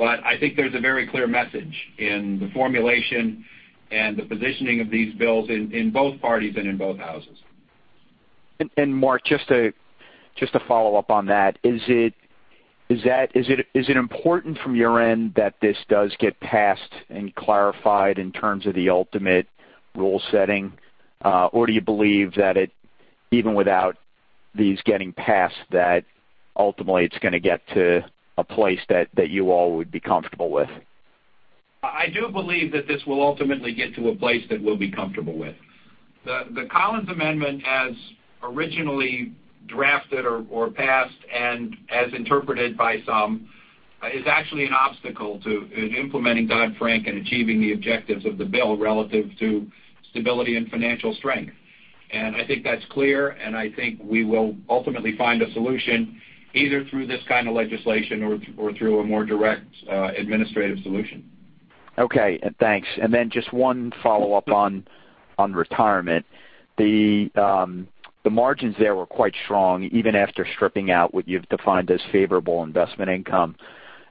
I think there's a very clear message in the formulation and the positioning of these bills in both parties and in both houses. Mark, just to follow up on that, is it important from your end that this does get passed and clarified in terms of the ultimate rule setting? Or do you believe that even without these getting passed, that ultimately it's going to get to a place that you all would be comfortable with? I do believe that this will ultimately get to a place that we'll be comfortable with. The Collins Amendment as originally drafted or passed and as interpreted by some is actually an obstacle to implementing Dodd-Frank and achieving the objectives of the bill relative to stability and financial strength. I think that's clear, and I think we will ultimately find a solution either through this kind of legislation or through a more direct administrative solution. Okay, thanks. Then just one follow-up on retirement. The margins there were quite strong, even after stripping out what you've defined as favorable investment income.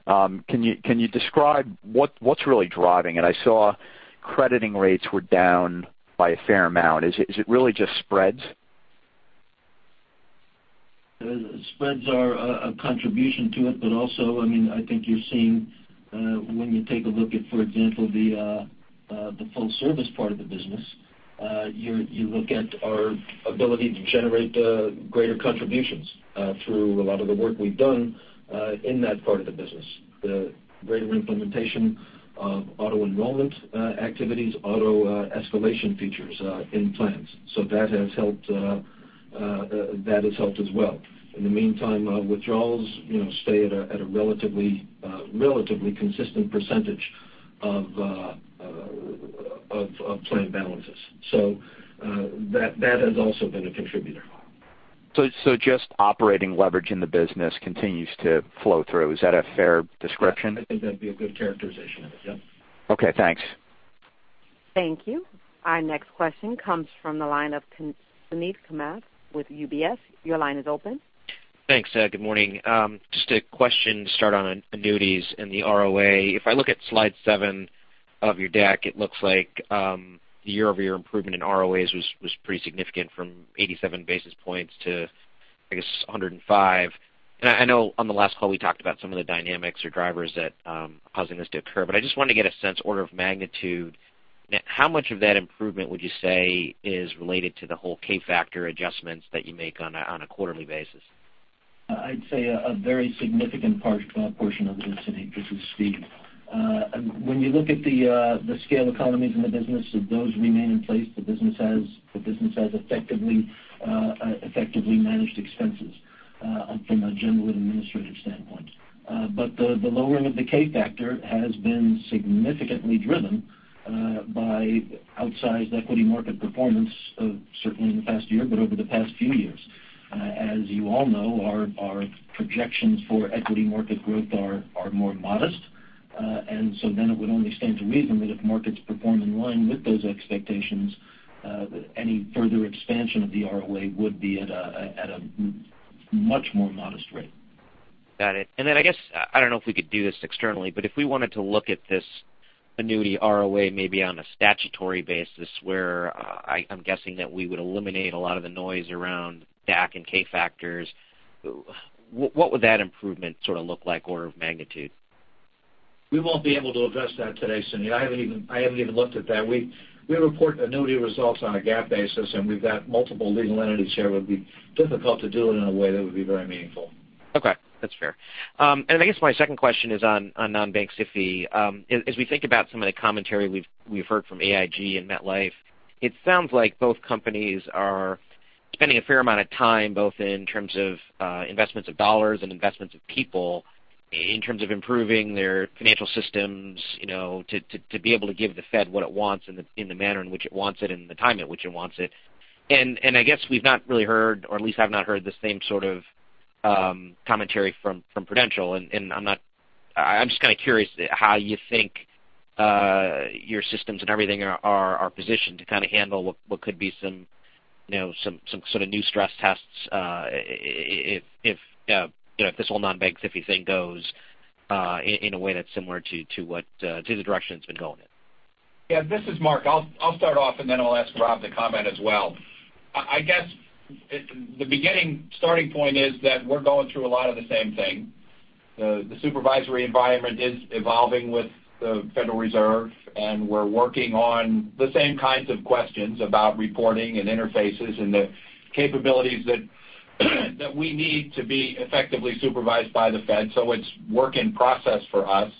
Can you describe what's really driving it? I saw crediting rates were down by a fair amount. Is it really just spreads? Spreads are a contribution to it. Also, I think you're seeing when you take a look at, for example, the full-service part of the business, you look at our ability to generate greater contributions through a lot of the work we've done in that part of the business. The greater implementation of auto-enrollment activities, auto-escalation features in plans. That has helped as well. In the meantime, withdrawals stay at a relatively consistent % of plan balances. That has also been a contributor. Just operating leverage in the business continues to flow through. Is that a fair description? I think that'd be a good characterization of it, yes. Okay, thanks. Thank you. Our next question comes from the line of Suneet Kamath with UBS. Your line is open. Thanks. Good morning. Just a question to start on annuities and the ROA. If I look at slide seven of your deck, it looks like the year-over-year improvement in ROAs was pretty significant from 87 basis points to, I guess, 105. I know on the last call, we talked about some of the dynamics or drivers that are causing this to occur, but I just wanted to get a sense order of magnitude. How much of that improvement would you say is related to the whole K-factor adjustments that you make on a quarterly basis? I'd say a very significant portion of it, Suneet. This is Steve. When you look at the scale economies in the business, those remain in place. The business has effectively managed expenses from a general and administrative standpoint. But the lowering of the K-factor has been significantly driven by outsized equity market performance, certainly in the past year, but over the past few years. As you all know, our projections for equity market growth are more modest. Then it would only stand to reason that if markets perform in line with those expectations any further expansion of the ROA would be at a much more modest rate. Got it. I guess, I don't know if we could do this externally, but if we wanted to look at this annuity ROA maybe on a statutory basis where I'm guessing that we would eliminate a lot of the noise around DAC and K-factors, what would that improvement sort of look like order of magnitude? We won't be able to address that today, Suneet. I haven't even looked at that. We report annuity results on a GAAP basis, and we've got multiple legal entities here. It would be difficult to do it in a way that would be very meaningful. Okay. I guess my second question is on non-bank SIFI. As we think about some of the commentary we've heard from AIG and MetLife, it sounds like both companies are spending a fair amount of time, both in terms of investments of dollars and investments of people, in terms of improving their financial systems to be able to give the Fed what it wants in the manner in which it wants it and the timing at which it wants it. I guess we've not really heard, or at least I've not heard the same sort of commentary from Prudential. I'm just kind of curious how you think your systems and everything are positioned to kind of handle what could be some sort of new stress tests if this whole non-bank SIFI thing goes in a way that's similar to the direction it's been going in. This is Mark. I will start off, then I will ask Rob to comment as well. I guess the beginning starting point is that we are going through a lot of the same thing. The supervisory environment is evolving with the Federal Reserve, we are working on the same kinds of questions about reporting and interfaces and the capabilities that we need to be effectively supervised by the Fed. It is work in process for us.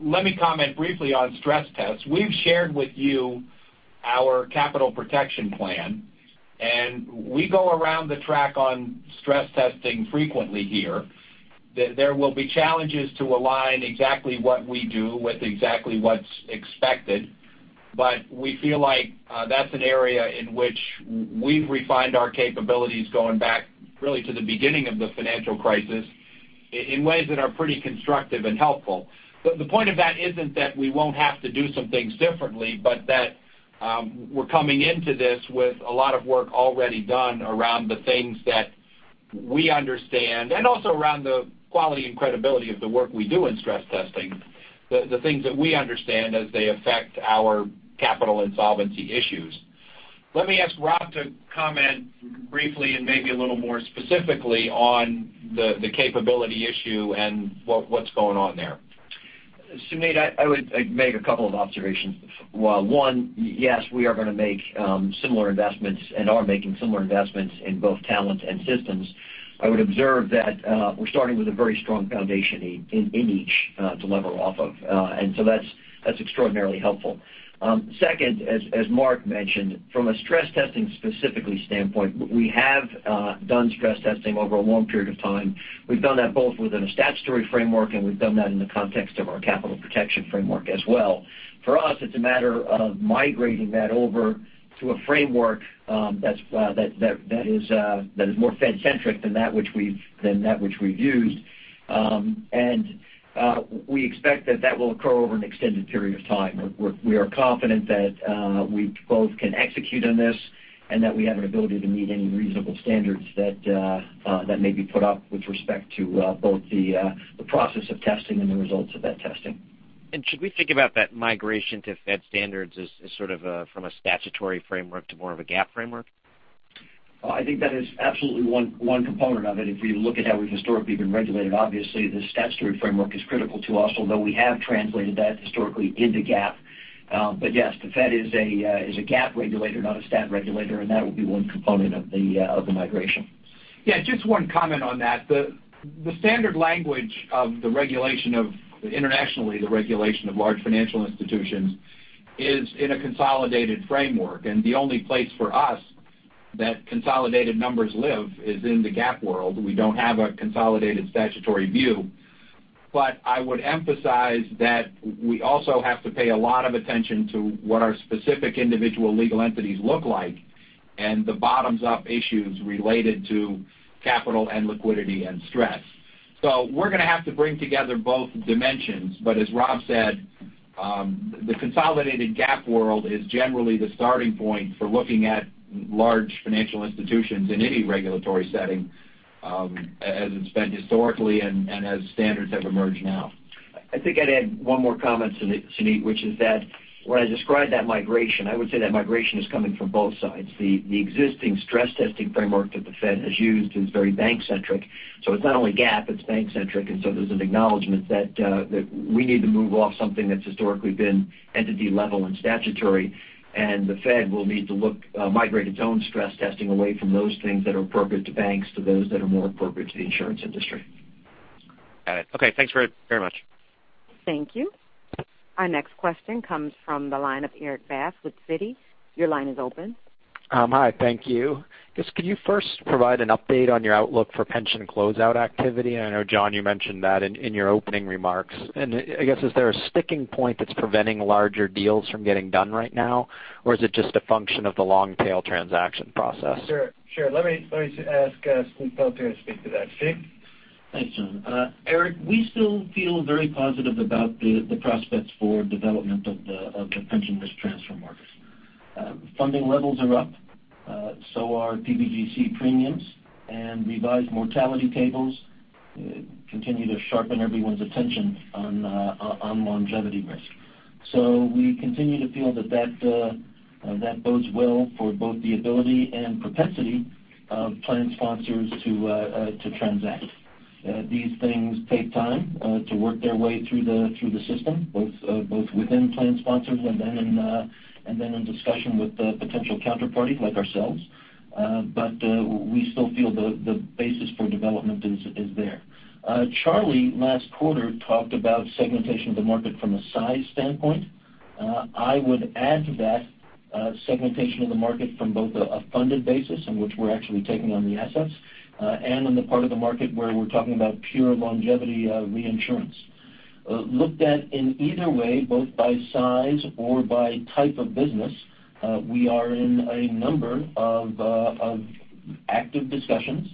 Let me comment briefly on stress tests. We have shared with you our Capital Protection Framework, we go around the track on stress testing frequently here. There will be challenges to align exactly what we do with exactly what is expected. We feel like that is an area in which we have refined our capabilities going back really to the beginning of the financial crisis in ways that are pretty constructive and helpful. The point of that is not that we will not have to do some things differently, but that we are coming into this with a lot of work already done around the things that we understand and also around the quality and credibility of the work we do in stress testing. The things that we understand as they affect our capital and solvency issues. Let me ask Rob to comment briefly and maybe a little more specifically on the capability issue and what is going on there. Suneet, I would make a couple of observations. One, yes, we are going to make similar investments and are making similar investments in both talent and systems. I would observe that we are starting with a very strong foundation in each to lever off of. That is extraordinarily helpful. Second, as Mark mentioned, from a stress testing specifically standpoint, we have done stress testing over a long period of time. We have done that both within a statutory framework, we have done that in the context of our Capital Protection Framework as well. For us, it is a matter of migrating that over to a framework that is more Fed-centric than that which we have used. We expect that that will occur over an extended period of time. We are confident that we both can execute on this and that we have an ability to meet any reasonable standards that may be put up with respect to both the process of testing and the results of that testing. Should we think about that migration to Fed standards as sort of from a statutory framework to more of a GAAP framework? Well, I think that is absolutely one component of it. If we look at how we've historically been regulated, obviously the statutory framework is critical to us, although we have translated that historically into GAAP. Yes, the Fed is a GAAP regulator, not a stat regulator, that will be one component of the migration. Yeah, just one comment on that. The standard language of the regulation of, internationally, the regulation of large financial institutions is in a consolidated framework. The only place for us that consolidated numbers live is in the GAAP world. We don't have a consolidated statutory view. I would emphasize that we also have to pay a lot of attention to what our specific individual legal entities look like and the bottoms-up issues related to capital and liquidity and stress. We're going to have to bring together both dimensions. As Rob said, the consolidated GAAP world is generally the starting point for looking at large financial institutions in any regulatory setting as it's been historically and as standards have emerged now. I think I'd add one more comment, Suneet, which is that when I describe that migration, I would say that migration is coming from both sides. The existing stress testing framework that the Fed has used is very bank-centric. It's not only GAAP, it's bank-centric. There's an acknowledgment that we need to move off something that's historically been entity level and statutory, the Fed will need to migrate its own stress testing away from those things that are appropriate to banks, to those that are more appropriate to the insurance industry. Got it. Okay, thanks very much. Thank you. Our next question comes from the line of Erik Bass with Citi. Your line is open. Hi, thank you. Just could you first provide an update on your outlook for pension closeout activity? I know, John, you mentioned that in your opening remarks. I guess, is there a sticking point that's preventing larger deals from getting done right now? Or is it just a function of the long tail transaction process? Sure. Let me just ask Steve Pelletier to speak to that. Steve? Thanks, John. Erik, we still feel very positive about the prospects for development of the pension risk transfer market. Funding levels are up. PBGC premiums and revised mortality tables continue to sharpen everyone's attention on longevity risk. We continue to feel that bodes well for both the ability and propensity of plan sponsors to transact. These things take time to work their way through the system, both within plan sponsors and then in discussion with potential counterparties like ourselves. We still feel the basis for development is there. Charlie, last quarter talked about segmentation of the market from a size standpoint. I would add to that segmentation of the market from both a funded basis in which we're actually taking on the assets and on the part of the market where we're talking about pure longevity reinsurance. Looked at in either way, both by size or by type of business, we are in a number of active discussions.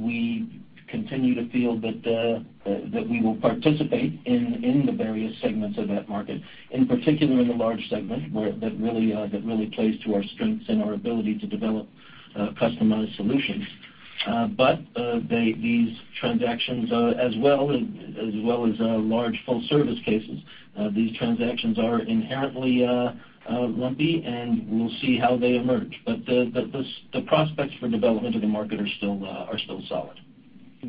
We continue to feel that we will participate in the various segments of that market, in particular in the large segment where that really plays to our strengths and our ability to develop customized solutions. These transactions as well as large full-service cases are inherently lumpy, and we'll see how they emerge. The prospects for development of the market are still solid.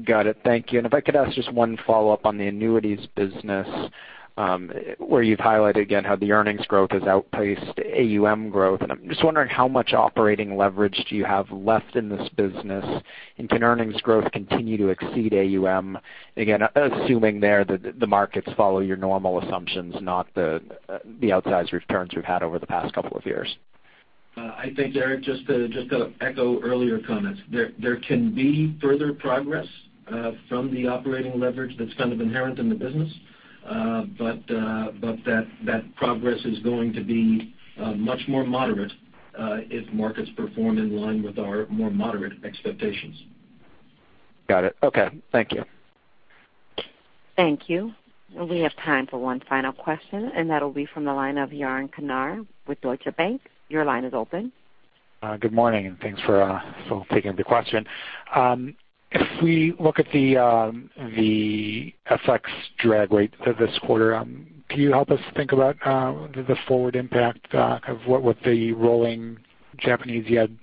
Got it. Thank you. If I could ask just one follow-up on the annuities business where you've highlighted again how the earnings growth has outpaced AUM growth. I'm just wondering how much operating leverage do you have left in this business, and can earnings growth continue to exceed AUM? Again, assuming there that the markets follow your normal assumptions, not the outsized returns we've had over the past couple of years. I think, Eric, just to echo earlier comments. There can be further progress from the operating leverage that's kind of inherent in the business. That progress is going to be much more moderate if markets perform in line with our more moderate expectations. Got it. Okay. Thank you. Thank you. We have time for one final question, that'll be from the line of Yaron Kinar with Deutsche Bank. Your line is open. Good morning, thanks for taking the question. If we look at the FX drag rate for this quarter, can you help us think about the forward impact of what the rolling Japanese yen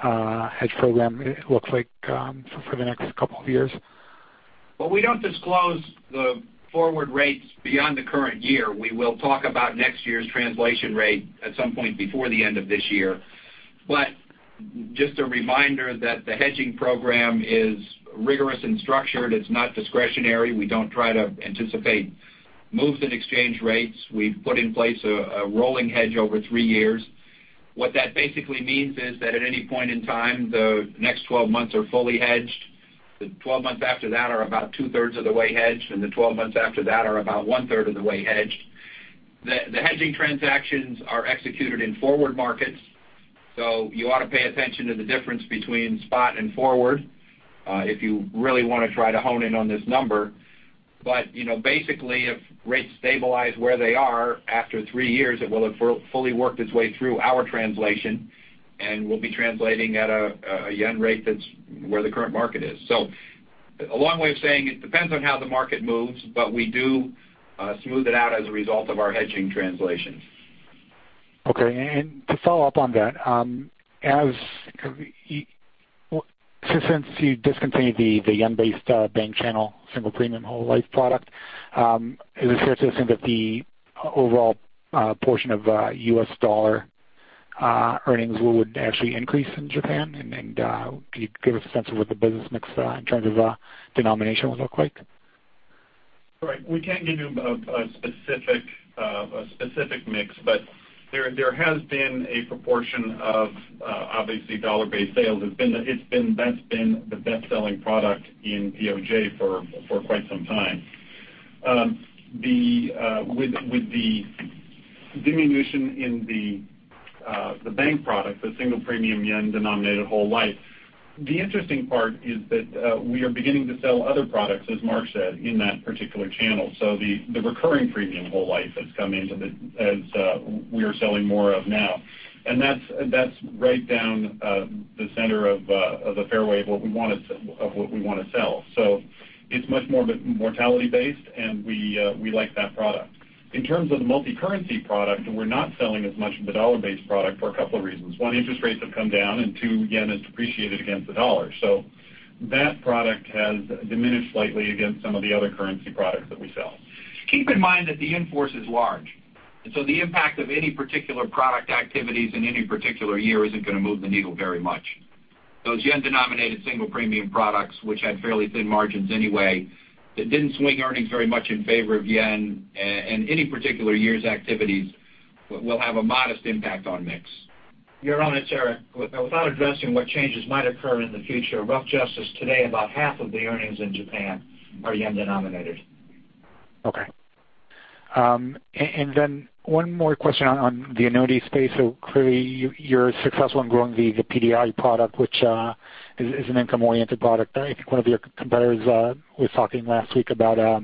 hedge program looks like for the next couple of years? We don't disclose the forward rates beyond the current year. We will talk about next year's translation rate at some point before the end of this year. Just a reminder that the hedging program is rigorous and structured. It's not discretionary. We don't try to anticipate moves in exchange rates. We've put in place a rolling hedge over three years. What that basically means is that at any point in time, the next 12 months are fully hedged. The 12 months after that are about two-thirds of the way hedged, and the 12 months after that are about one-third of the way hedged. The hedging transactions are executed in forward markets. You ought to pay attention to the difference between spot and forward if you really want to try to hone in on this number. Basically, if rates stabilize where they are after three years, it will have fully worked its way through our translation, and we'll be translating at a JPY rate that's where the current market is. A long way of saying it depends on how the market moves, but we do smooth it out as a result of our hedging translation. Okay. To follow up on that, since you discontinued the JPY-based bank channel single premium whole life product, is it fair to assume that the overall portion of $ earnings would actually increase in Japan? Could you give us a sense of what the business mix in terms of denomination would look like? Right. We can't give you a specific mix, but there has been a proportion of, obviously, $ -based sales. That's been the best-selling product in POJ for quite some time. With the diminution in the bank product, the single premium JPY-denominated whole life, the interesting part is that we are beginning to sell other products, as Mark said, in that particular channel. The recurring premium whole life that's come into the, as we are selling more of now. That's right down the center of the fairway of what we want to sell. It's much more mortality-based, and we like that product. In terms of the multi-currency product, we're not selling as much of the $ -based product for a couple of reasons. One, interest rates have come down, and two, JPY has depreciated against the $. That product has diminished slightly against some of the other currency products that we sell. Keep in mind that the in-force is large, the impact of any particular product activities in any particular year isn't going to move the needle very much. Those yen-denominated single premium products, which had fairly thin margins anyway, that didn't swing earnings very much in favor of yen, and any particular year's activities will have a modest impact on mix. Yaron, without addressing what changes might occur in the future, rough justice today, about half of the earnings in Japan are yen-denominated. Okay. One more question on the annuity space. Clearly, you're successful in growing the PDI product, which is an income-oriented product. I think one of your competitors was talking last week about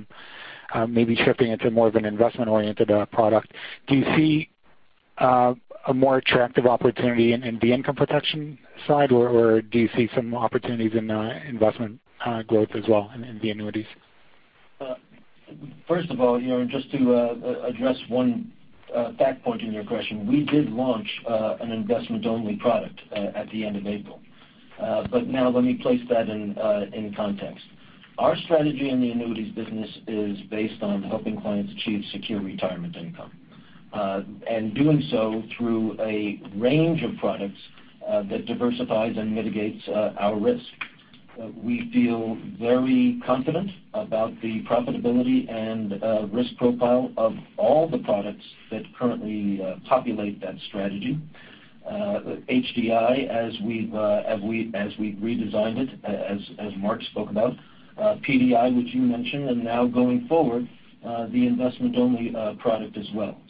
maybe shifting into more of an investment-oriented product. Do you see a more attractive opportunity in the income protection side, or do you see some opportunities in investment growth as well in the annuities? First of all, just to address one fact point in your question, we did launch an investment-only product at the end of April. Let me place that in context. Our strategy in the annuities business is based on helping clients achieve secure retirement income, and doing so through a range of products that diversifies and mitigates our risk. We feel very confident about the profitability and risk profile of all the products that currently populate that strategy. HDI, as we redesigned it, as Mark spoke about, PDI, which you mentioned, and now going forward, the investment-only product as well.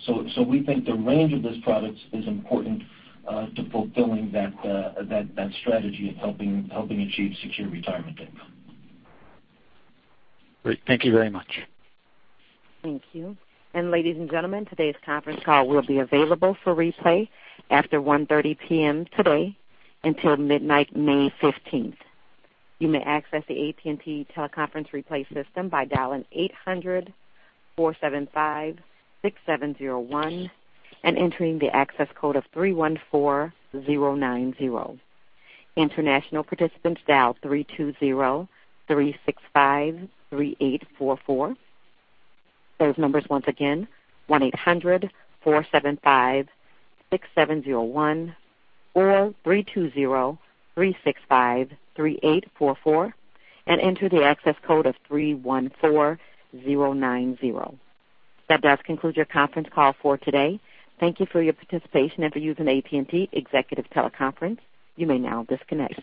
We think the range of those products is important to fulfilling that strategy of helping achieve secure retirement income. Great. Thank you very much. Thank you. Ladies and gentlemen, today's conference call will be available for replay after 1:30 P.M. today until midnight, May 15th. You may access the AT&T teleconference replay system by dialing 800-475-6701 and entering the access code of 314090. International participants dial 3203653844. Those numbers once again, 1-800-475-6701 or 3203653844, and enter the access code of 314090. That does conclude your conference call for today. Thank you for your participation and for using AT&T Executive Teleconference. You may now disconnect.